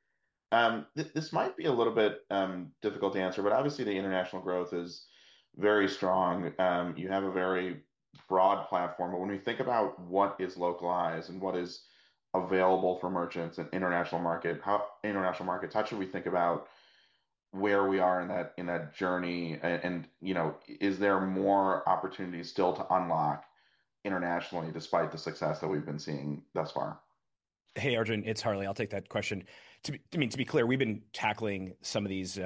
This might be a little bit difficult to answer, but obviously the international growth is very strong. You have a very broad platform. When we think about what is localized and what is available for merchants and international markets, how should we think about where we are in that journey, and is there more opportunities still to unlock internationally despite the success that we've been seeing thus far? Hey Arjun, it's Harley. I'll take that question. To be clear, we've been tackling some of these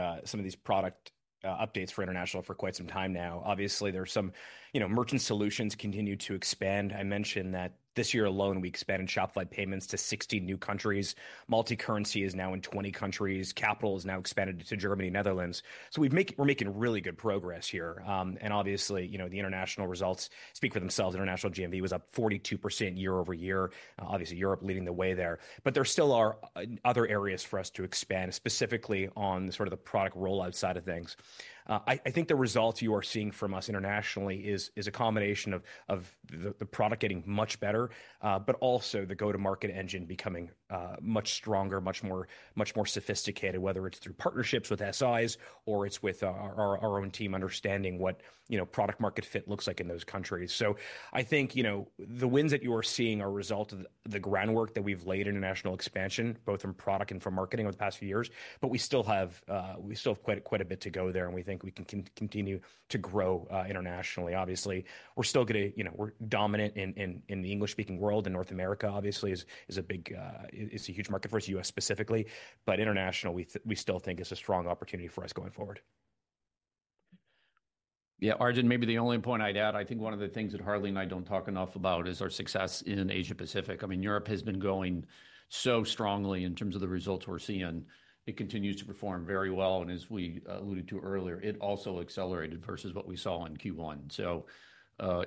product updates for international for quite some time now. Obviously, merchant solutions continue to expand. I mentioned that this year alone we expanded Shopify Payments to 60 new countries. Multi-currency is now in 20 countries. Shopify Capital is now expanded to Germany and the Netherlands. We're making really good progress here. Obviously, the international results speak for themselves. International GMV was up 42% year-over-year, with Europe leading the way there. There still are other areas for us to expand, specifically on the product rollout side of things. I think the results you are seeing from us internationally is a combination of the product getting much better but also the go-to-market engine becoming much stronger, much more sophisticated. Whether it's through partnerships with SIS or with our own team understanding what product market fit looks like in those countries, I think wins that you are seeing are a result of the groundwork that we've laid in international expansion both from product and from marketing over the past few years. We still have quite a bit to go there and we think we can continue to grow internationally. Obviously, we're still going to be dominant in the English-speaking world and North America is a huge market for us specifically. International, we still think, is a strong opportunity for us going forward. Yeah Arjun, maybe the only point I'd add, I think one of the things that Harley and I don't talk enough about is our success in Asia Pacific. I mean Europe has been going so strongly in terms of the results we're seeing. It continues to perform very well, and as we alluded to earlier, it also accelerated vs what we saw in Q1.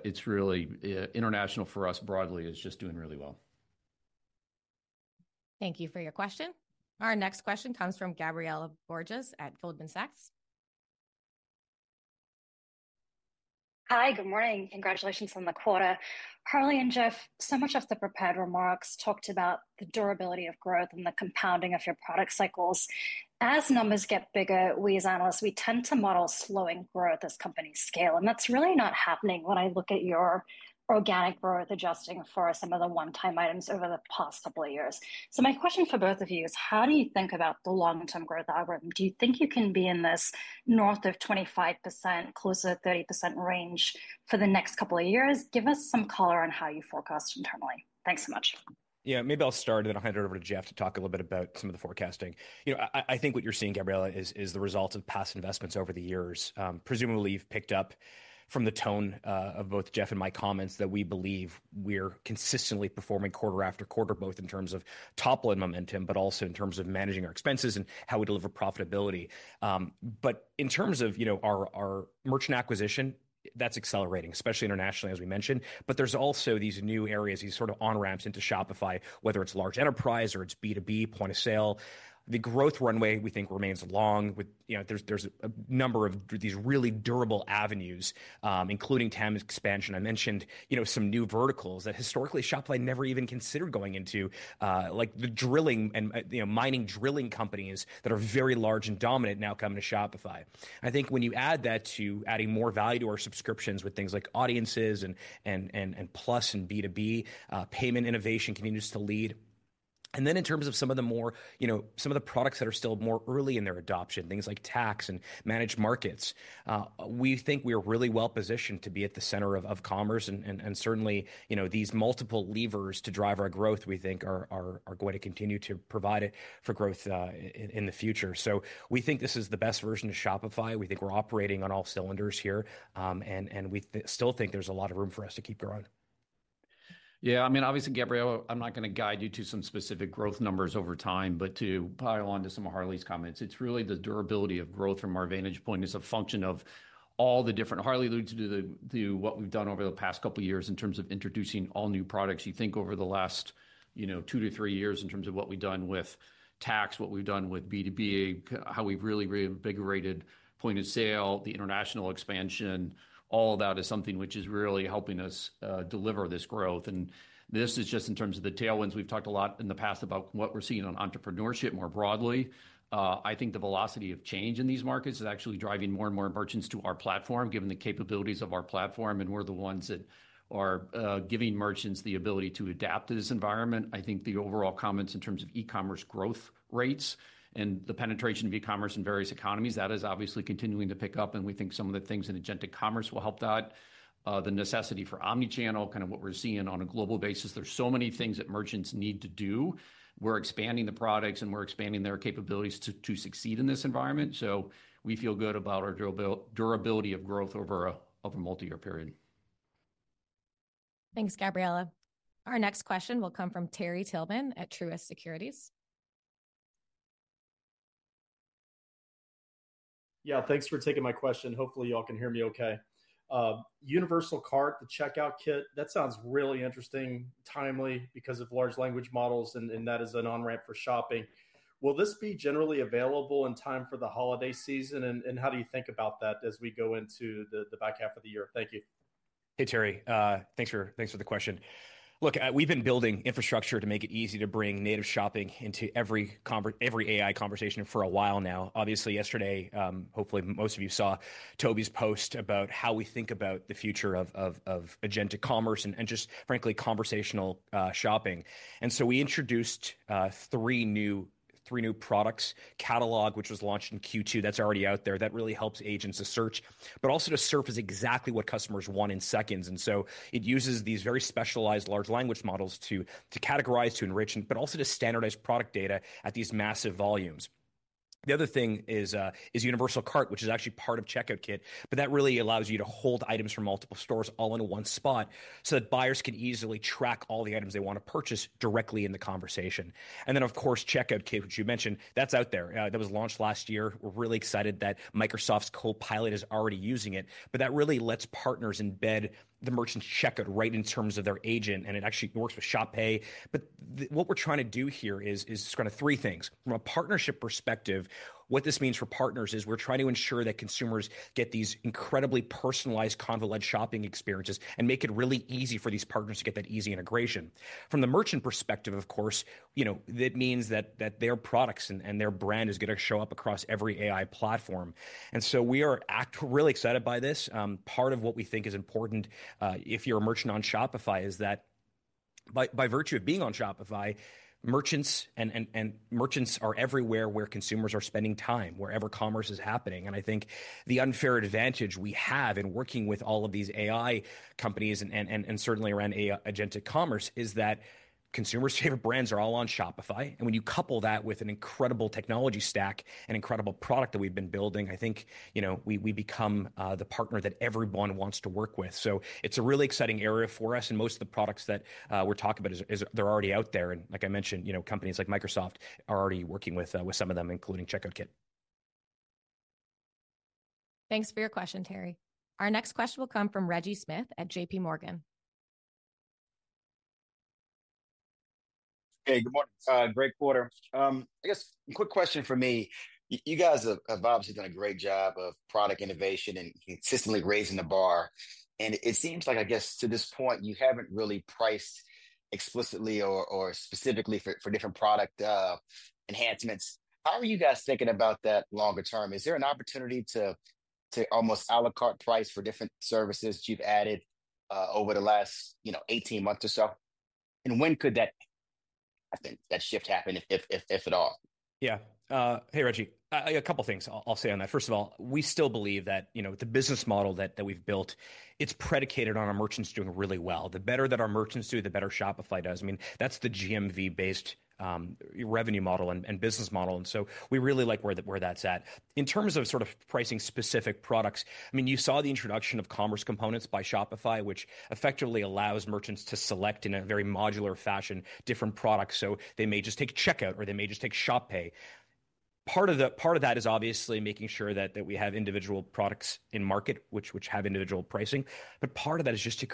It's really international for us broadly, it's just doing really well. Thank you for your question. Our next question comes from Gabriela Borges at Goldman Sachs. Hi, good morning. Congratulations on the quarter, Harley and Jeff. So much of the prepared remarks talked about the durability of growth and the compounding of your product cycles as numbers get bigger. We as analysts tend to model slowing growth as companies scale and that's really not happening when I look at it your organic growth, adjusting for some of the one-time items over the past couple of years. My question for both of you is how do you think about the long-term growth algorithm? Do you think you can be in this north of 25%, closer to 30% range for the next couple of years? Give us some color on how you forecast internally. Thanks so much. Yeah, maybe I'll start and then I'll hand it over to Jeff to talk a little bit about some of the forecasting. I think what you're seeing, Gabriela, is the result of past investments over the years. Presumably you've picked up from the tone of both Jeff and my comments that we believe we're consistently performing quarter-after-quarter, both in terms of top line momentum, but also in terms of managing our expenses and how we deliver profitability. In terms of our merchant acquisition that's accelerating, especially internationally, as we mentioned, there's also these new areas, these sort of on ramps into Shopify, whether it's large Enterprise or it's B2B point of sale, the growth runway we think remains long. There's a number of these really durable avenues, including TAM expansion. I mentioned some new verticals that historically Shopify never even considered going into, the drilling and mining. Drilling companies that are very large and dominant now come to Shopify. I think when you add that to adding more value to our subscriptions with things like audiences and Plus and B2B, payment innovation continues to lead. In terms of some of the products that are still more early in their adoption, things like tax and managed markets, we think we are really well positioned to be at the center of commerce. Certainly these multiple levers to drive our growth we think are going to continue to provide for growth in the future. We think this is the best version of Shopify. We think we're operating on all cylinders here and we still think there's a lot of room for us to keep growing. Yeah, I mean, obviously, Gabriel, I'm not going to guide you to some specific growth numbers over time. To pile on to some of Harley's comments, it's really the durability of growth from our vantage point is a function of all the different Harley alludes to what we've done over the past couple years in terms of introducing all new products. You think over the last, you know, two to three years in terms of what we've done with tax, what we've done with B2B, how we've really reinvigorated Point-of-Sale, the international expansion, all that is something which is really helping us deliver this growth. This is just in terms of the tailwinds we've talked a lot in the past about what we're seeing on entrepreneurship more broadly. I think the velocity of change in these markets is actually driving more and more merchants to our platform, given the capabilities of our platform. We're the ones that are giving merchants the ability to adapt to this environment. I think the overall comments in terms of e-commerce growth rates and the penetration of e-commerce in various economies, that is obviously continuing to pick up. We think some of the things in agentic commerce will help that, the necessity for omnichannel, kind of what we're seeing on a global basis. There are so many things that merchants need to do. We're expanding the products and we're expanding their capabilities to succeed in this environment. We feel good about our durability of growth over a multi-year period. Thanks, Gabriela. Our next question will come from Terry Tillman at Truist Securities. Yeah, thanks for taking my question. Hopefully you all can hear me. Okay, Universal Cart, the Checkout Kit, that sounds really interesting, timely because of large language models and that is an on ramp for shopping. Will this be generally available in time for the holiday season, and how do you think about that as we go into the back half of the year? Thank you. Hey Terry, thanks for the question. Look, we've been building infrastructure to make it easy to bring native shopping into every, every AI conversation for a while now. Obviously, yesterday, hopefully most of you saw Tobi's post about how we think about the future of agentic commerce and just frankly conversational shopping. We introduced three new products: Catalog, which was launched in Q2, that's already out there, that really helps agents to search but also to surface exactly what customers want in seconds. It uses these very specialized large language models to categorize, to enrich, but also to standardize product data at these massive volumes. The other thing is Universal Cart, which is actually part of Checkout Kit, but that really allows you to hold items from multiple stores all in one spot so that buyers can easily track all the items they want to purchase directly in the conversation. Then of course, Checkout Kit, which you mentioned, that's out there, that was launched last year. We're really excited that Microsoft Copilot is already using it. That really lets partners embed the merchant's checkout right in terms of their agent, and it actually works with Shop Pay. What we're trying to do here is kind of three things from a partnership perspective. What this means for partners is we're trying to ensure that consumers get these incredibly personalized, conversational shopping experiences and make it really easy for these partners to get that easy integration. From the merchant perspective, of course, that means that their products and their brand are going to show up across every AI platform. We are really excited by this. Part of what we think is important if you're a merchant on Shopify is that by virtue of being on Shopify, merchants are everywhere where consumers are spending time, wherever commerce is happening. I think the unfair advantage we have in working with all of these AI companies and certainly around agentic commerce is that consumers' favorite brands are all on Shopify. When you couple that with an incredible technology stack, an incredible product that we've been building, I think we become the partner that everyone wants to work with. It's a really exciting area for us. Most of the products that we're talking about, they're already out there. Like I mentioned, companies like Microsoft are already working with some of them, including Checkout Kit. Thanks for your question, Terry. Our next question will come from Reggie Smith at JPMorgan. Hey, good morning. Great quarter, I guess quick question for me. You guys have obviously done a great job of product innovation and consistently raising the bar. It seems like to this point you haven't really priced explicitly or specifically for different product enhancements. How are you guys thinking about that longer term? Is there an opportunity to almost, like, a la cart price for different services you've added. Over the last 18 months or so? And when could that shift happen, if at all? Yeah. Hey Reggie, a couple things I'll say on that. First of all, we still believe that the business model that we've built, it's predicated on our merchants doing really well. The better that our merchants do, the better Shopify does. I mean that's the gist. GMV based revenue model and business model. We really like where that's at in terms of sort of pricing specific products. I mean you saw the introduction of Commerce Components by Shopify which effectively allows merchants to select in a very modular fashion different products. They may just take checkout or they may just take Shop Pay. Part of that is obviously making sure that we have individual products in market which have individual pricing. Part of that is just to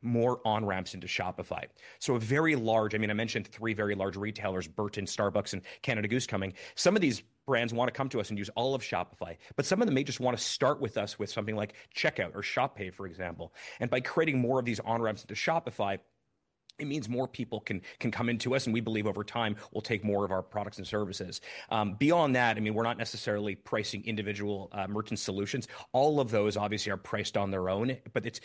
create more on ramps into Shopify. A very large, I mean I mentioned three very large retailers, Burton Snowboards, Starbucks, and Canada Goose coming. Some of these brands want to come to us and use all of Shopify. Some of them may just want to start with us with something like checkout or Shop Pay for example. By creating more of these on ramps to Shopify, it means more people can come into us. We believe over time we'll take more of our products and services. Beyond that, we're not necessarily pricing individual merchant solutions. All of those obviously are priced on their own.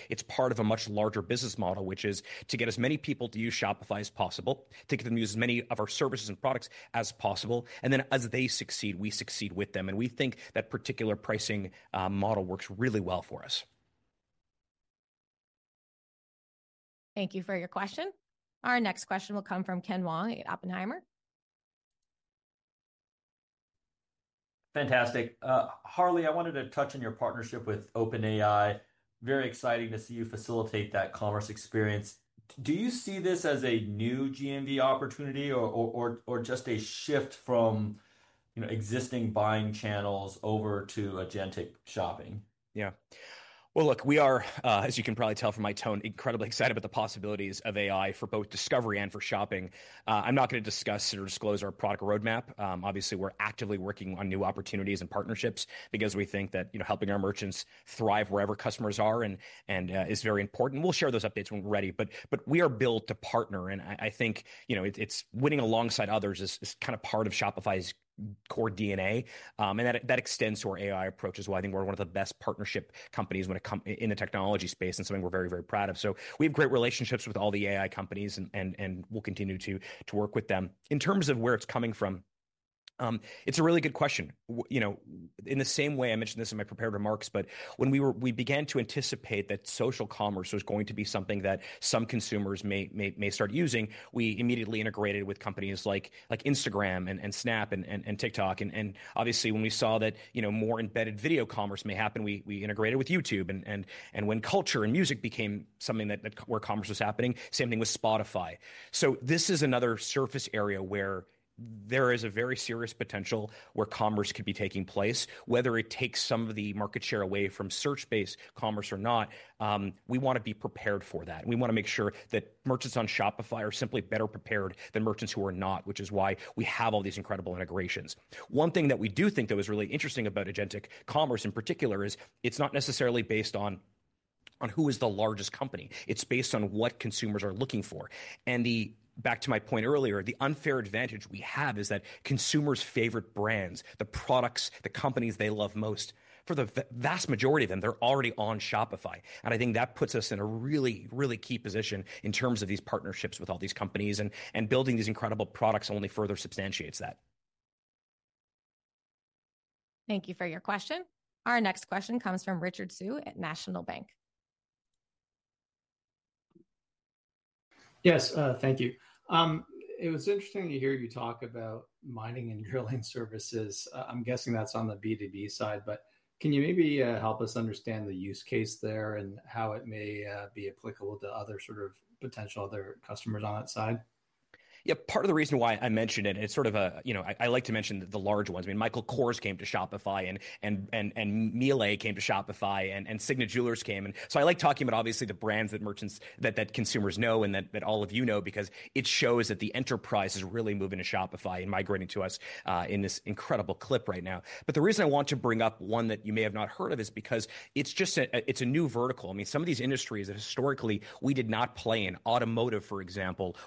It's part of a much larger business model which is to get as many people to use Shopify as possible, to get them to use as many of our services and products as possible and then as they succeed, we succeed with them. We think that particular pricing model works really well for us. Thank you for your question. Our next question will come from Ken Wong at Oppenheimer. Fantastic. Harley, I wanted to touch on your partnership with OpenAI. Very exciting to see you facilitate that commerce experience. Do you see this as a new GMV opportunity or just a shift from existing buying channels over to agentic shopping? Yeah, look, we are, as you can probably tell from my tone, incredibly excited about the possibilities of AI for both discovery and for shopping. I'm not going to discuss or disclose our product roadmap. Obviously, we're actively working on new opportunities and partnerships because we think that helping our merchants thrive wherever customers are is very important. We'll share those updates when we're ready. We are built to partner and I think winning alongside others is kind of part of Shopify's core DNA and that extends to our AI approaches. I think we're one of the best partnership companies when it comes to the technology space and something we're very, very proud of. We have great relationships with all the AI companies and we'll continue to work with them. In terms of where it's coming from, it's a really good question. In the same way, I mentioned this in my prepared remarks. When we began to anticipate that social commerce was going to be something that some consumers may start using, we immediately integrated with companies like Instagram, Snap, and TikTok. Obviously, when we saw that more embedded video commerce may happen, we integrated with YouTube, and when culture and music became something where commerce was happening, same thing with Spotify. This is another surface area where there is a very serious potential where commerce could be taking place. Whether it takes some of the market share away from search-based commerce or not, we want to be prepared. We want to make sure that merchants on Shopify are simply better prepared than merchants who are not, which is why we have all these incredible integrations. One thing that we do think was really interesting about agentic commerce in particular is it's not necessarily based on who is the largest company. It's based on what consumers are looking for. Back to my point earlier, the unfair advantage we have is that consumers' favorite brands, the products, the companies they love most, for the vast majority of them, they're already on Shopify. I think that puts us in a really, really key position in terms of these partnerships with all these companies and building these incredible products only further substantiates that. Thank you for your question. Our next question comes from Richard Tse at National Bank. Yes, thank you. It was interesting to hear you talk about mining and drilling services. I'm guessing that's on the B2B side, but can you maybe help us understand the use case there and how it may be applicable to others for sort of potential other customers on that side? Yeah, part of the reason why I mentioned it, it's sort of a, you know, I like to mention the large ones. I mean Michael Kors came to Shopify and Miele came to Shopify and Signet Jewelers came. I like talking about obviously the brands that merchants, that consumers know and that all of you know because it shows that the enterprise is really moving to Shopify and migrating to us in this incredible clip right now. The reason I want to bring up one that you may have not heard of is because it's just, it's a new vertical. I mean some of these industries historically we did not play in, automotive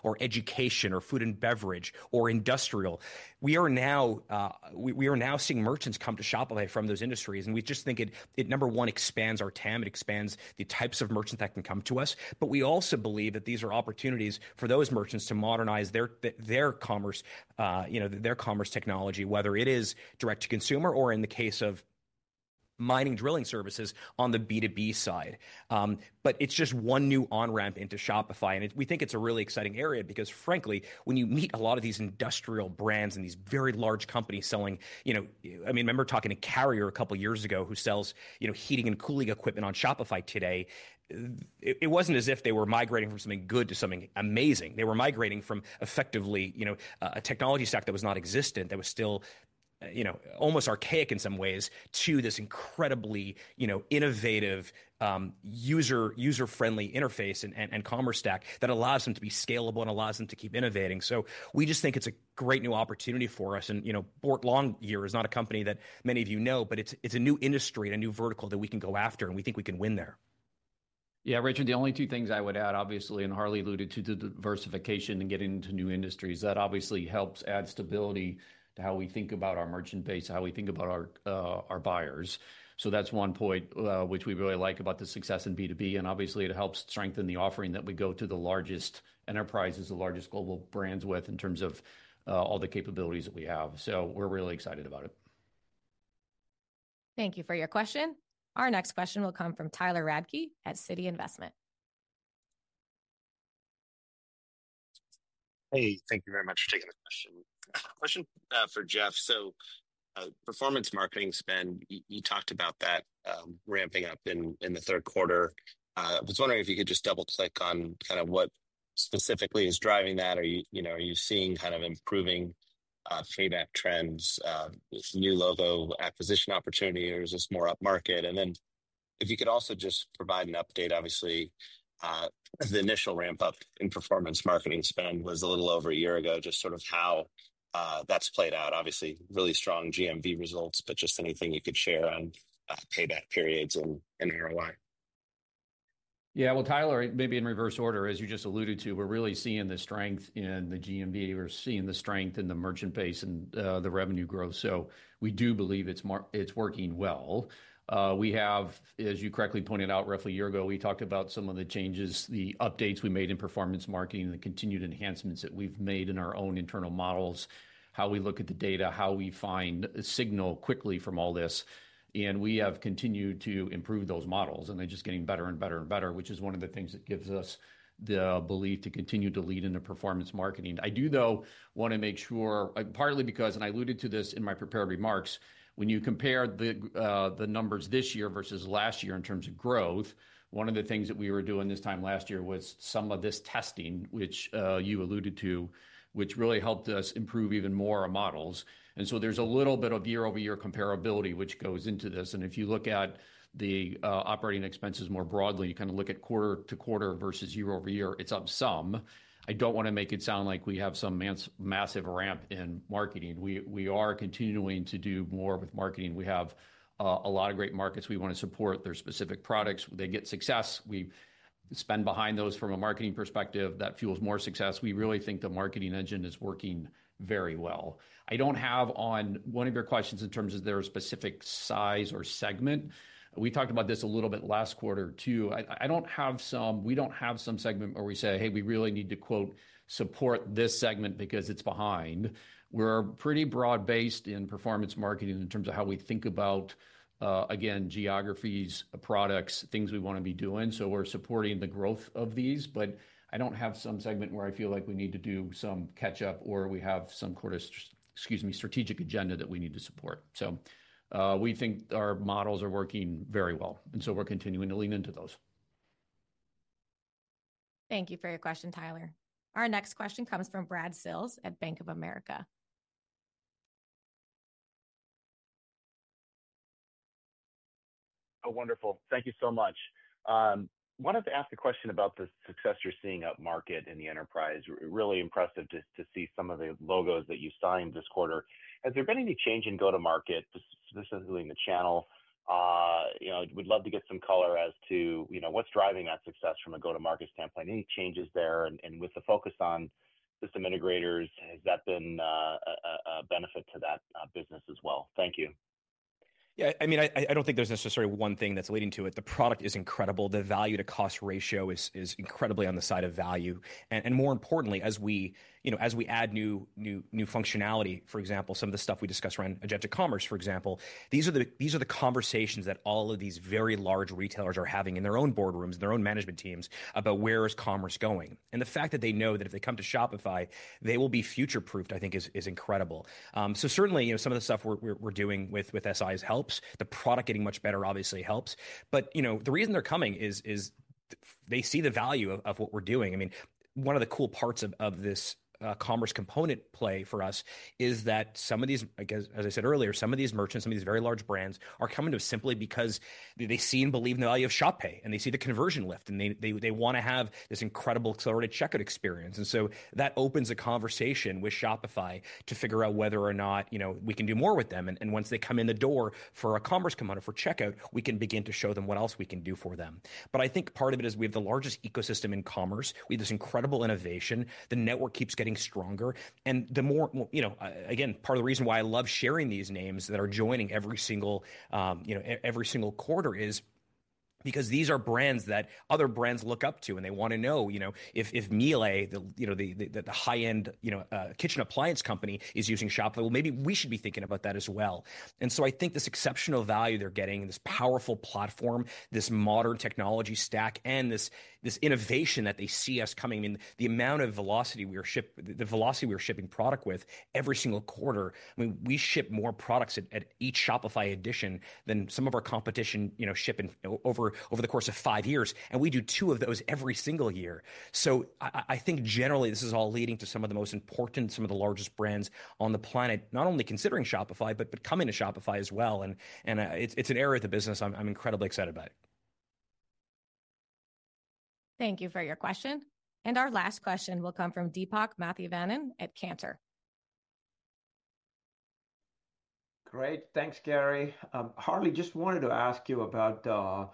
or education or food and beverage or industrial. We are now seeing merchants come to Shopify from those industries. We just think it, number one, expands our TAM, it expands the types of merchants that can come to us. We also believe that these are opportunities for those merchants to modernize their commerce, you know, their commerce technology, whether it is direct to consumer or in the case of mining drilling services on the B2B side. It's just one new on ramp into Shopify. We think it's a really exciting area because frankly when you meet these industrial brands and these very large companies selling, you know, I mean, remember talking to Carrier a couple years ago who sells, you know, heating and cooling equipment on Shopify today. It wasn't as if they were migrating from something good to something amazing. They were migrating from effectively, you know, a technology stack that was non-existent, that was still, you know, almost archaic in some ways to this incredibly, you know, innovative user-friendly interface and commerce stack that allows them to be scalable and allows them to keep innovating. We just think it's a great new opportunity for us. You know, Boart Longyear is not a company that many of you know, but it's a new industry and a new vertical that we can go after and we think we can win there. Yeah, Richard, the only two things I would add, obviously, and Harley alluded to the diversification and getting into new industries, that obviously helps add stability to how we think about our merchant base, how we think about our buyers. That's one point which we really like about the success in B2B, and obviously it helps strengthen the offering that we go to the largest, largest enterprises, the largest global brands with, in terms of all the capabilities that we have. We're really excited about it. Thank you for your question. Our next question will come from Tyler Radke at Citi Investment. Hey, thank you very much for taking the question for Jeff. Performance marketing spend, you talked about that ramping up in the third quarter. I was wondering if you could just double click on kind of what specifically is driving that. Are you seeing kind of improving GMV trends, new logo acquisition opportunity, or is this more up market? If you could also just provide an update. Obviously, the initial ramp up in performance marketing spend was a little over a year ago, just sort of how that's played out. Obviously really strong GMV results. Is there anything you could share on payback periods and ROI? Yeah, Tyler, maybe in reverse order as you just alluded to, we're really seeing the strength in the GMV, we're seeing the strength in the merchant base and the revenue growth. We do believe it's working. We have, as you correctly pointed out, roughly a year ago we talked about some of the changes, the updates we made in performance marketing and the continued enhancements that we've made in our own internal models, how we look at the data, how we find signal quickly from all this, and we have continued to improve those models and they're just getting better and better and better, which is one of the things that gives us the belief to continue to lean into performance marketing. I do want to make sure, partly because, and I alluded to this in my prepared remarks, when you compare the numbers this year vs last year in terms of growth, one of the things that we were doing this time last year was some of this testing which you alluded to, which really helped us improve even more our model. There's a little bit of year over year comparability which goes into this. If you look at the operating expenses more broadly, you kind of look at quarter to quarter vs year-over-year, it's up some. I don't want to make it sound like we have some massive ramp in marketing. We are continuing to do more with marketing. We have a lot of great markets. We want to support their specific products. They get success, we spend behind those from a marketing perspective that fuels more success. We really think the marketing engine is working, working very well. I don't have on one of your questions in terms of their specific size or segment. We talked about this a little bit last quarter too. I don't have some, we don't have some segment where we say hey, we really need to, quote, support this segment because it's behind. We're pretty broad based in performance marketing in terms of how we think about, again, geographies, products, things we want to be doing. We're supporting the growth of these. I don't have some segment where I feel like we need to do some catch up or we have some, excuse me, strategic agenda that we need to support. We think our models are working very well and we're continuing to lean into those. Thank you for your question, Tyler. Our next question comes from Brad Sills at Bank of America. Wonderful, thank you so much. Wanted to ask a question about the success you're seeing upmarket in the enterprise. Really impressive to see some of the logos that you signed this quarter. Has there been any change in go to market specifically in the channel? We'd love to get some color as to what's driving that success from a go-to-market standpoint. Any changes there? With the focus on system integrators, has that been a benefit to that business as well? Thank you. Yeah, I mean, I don't think there's necessarily one thing that's leading to it. The product is incredible. The value to cost ratio is incredibly on the side of value. More importantly, as we add new functionality, for example, some of the stuff we discuss around agent commerce, these are the conversations that all of these very large retailers are having in their own boardrooms, their own management teams about where commerce is going and the fact that they know that if they come to Shopify, they will be future proofed. I think it's incredible. Certainly, some of the stuff we're doing with product getting much better obviously helps. The reason they're coming is they see the value of what we're doing. One of the cool parts of this commerce component play for us is that some of these, as I said earlier, some of these merchants, some of these very large brands are coming to us simply because they see and believe in the value of Shop Pay and they see the conversion lift and they want to have this incredible accelerated checkout experience. That opens a conversation with Shopify to figure out whether or not we can do more with them. Once they come in the door for a commerce component or for checkout, we can begin to show them what else we can do for them. I think part of it is we have the largest ecosystem in commerce. We have this incredible innovation. The network keeps getting stronger and the more, you know, part of the reason why I love sharing these names that are joining every single quarter is because these are brands that other brands look up to and they want to know, you know, if Miele, the high end kitchen appliance company, is using Shop, maybe we should be thinking about that as well. I think this exceptional value they're getting, this powerful platform, this modern technology stack, this innovation that they see us coming in, the amount of velocity we are shipping, the velocity we're shipping product with every single quarter. We ship more products at each Shopify Edition than some of our competition ship over the course of five years and we do two of those every single year. I think generally this is all leading to some of the most important, some of the largest brands on the planet, not only considering Shopify but coming to Shopify as well. It's an area of the business I'm incredibly excited. Thank you for your question. Our last question will come from Deepak Mathivanan at Cantor. Great, thanks. Gary Harley, just wanted to ask you about the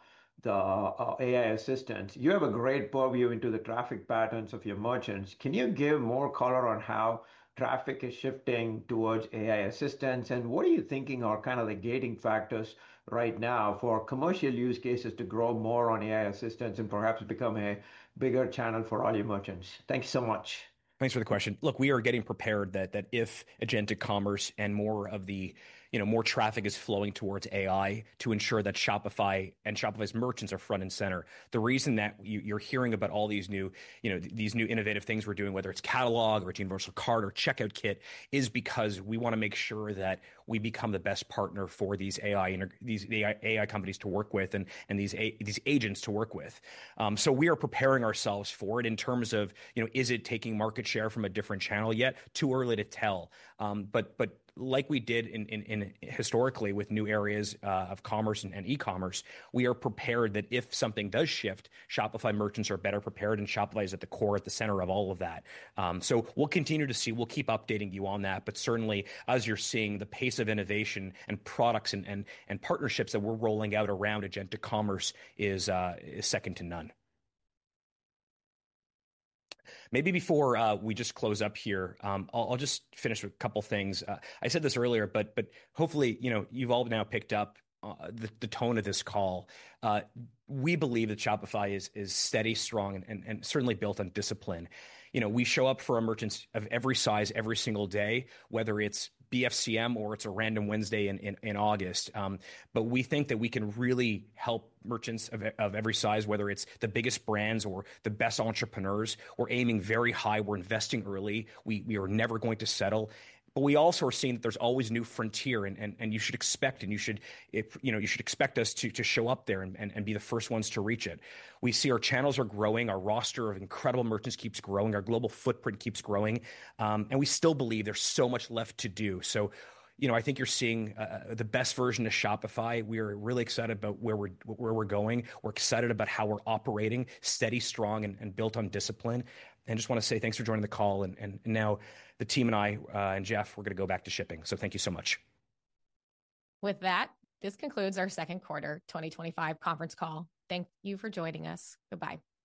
AI assistants. You have a great purview into the traffic patterns of your merchants. Can you give more color on how traffic is shifting towards AI assistance, and what are you thinking are kind of the gating factors right now for commercial use cases to grow more on AI Assistance distance and perhaps become a bigger channel for all you merchants? Thanks so much. Thanks for the question. Look, we are getting prepared that if agentic commerce and more of the, you know, more traffic is flowing towards AI to ensure that Shopify and Shopify's merchants are front and center. The reason that you're hearing about all these new, you know, these new innovative things we're doing, whether it's Catalog or Universal Cart or Checkout Kit, is because we want to make sure that we become the best partner for these AI, these AI companies to work with and these agents to work with. We are preparing ourselves forward in terms of, you know, is it taking market share from a different channel yet? Too early to tell. Like we did historically with new areas of commerce and e-commerce, we are prepared that if something does shift, Shopify merchants are better prepared and Shopify is at the core at the center of all of that. We'll continue to see, we'll keep updating you on that. Certainly as you're seeing the pace of innovation and products and partnerships that we're rolling out around agentic commerce is second to none. Maybe before we just close up here, I'll just finish with a couple things. I said this earlier, but hopefully you've all now picked up the tone of this call. We believe that Shopify is steady, strong and certainly built on discipline. We show up for our merchants of every size every single day, whether it's BFCM or it's a random Wednesday in August. We think that we can really help merchants of every size, whether it's the biggest brands or the best entrepreneurs. We're aiming very high. We're investing early. We are never going to settle. We also are seeing that there's always new frontier and you should expect us to show up there and be the first ones to reach it. We see our channels are growing, our roster of incredible merchants keeps growing, our global footprint keeps growing and we still believe there's so much left to do. I think you're seeing the best version of Shopify. We are really excited about where we're going. We're excited about how we're operating steady, strong and built on discipline. Just want to say thanks for joining the call. Now the team and I and Jeff, we're going to go back to shipping. Thank you so much. With that this concludes our second quarter 2025 conference call. Thank you for joining us. Goodbye.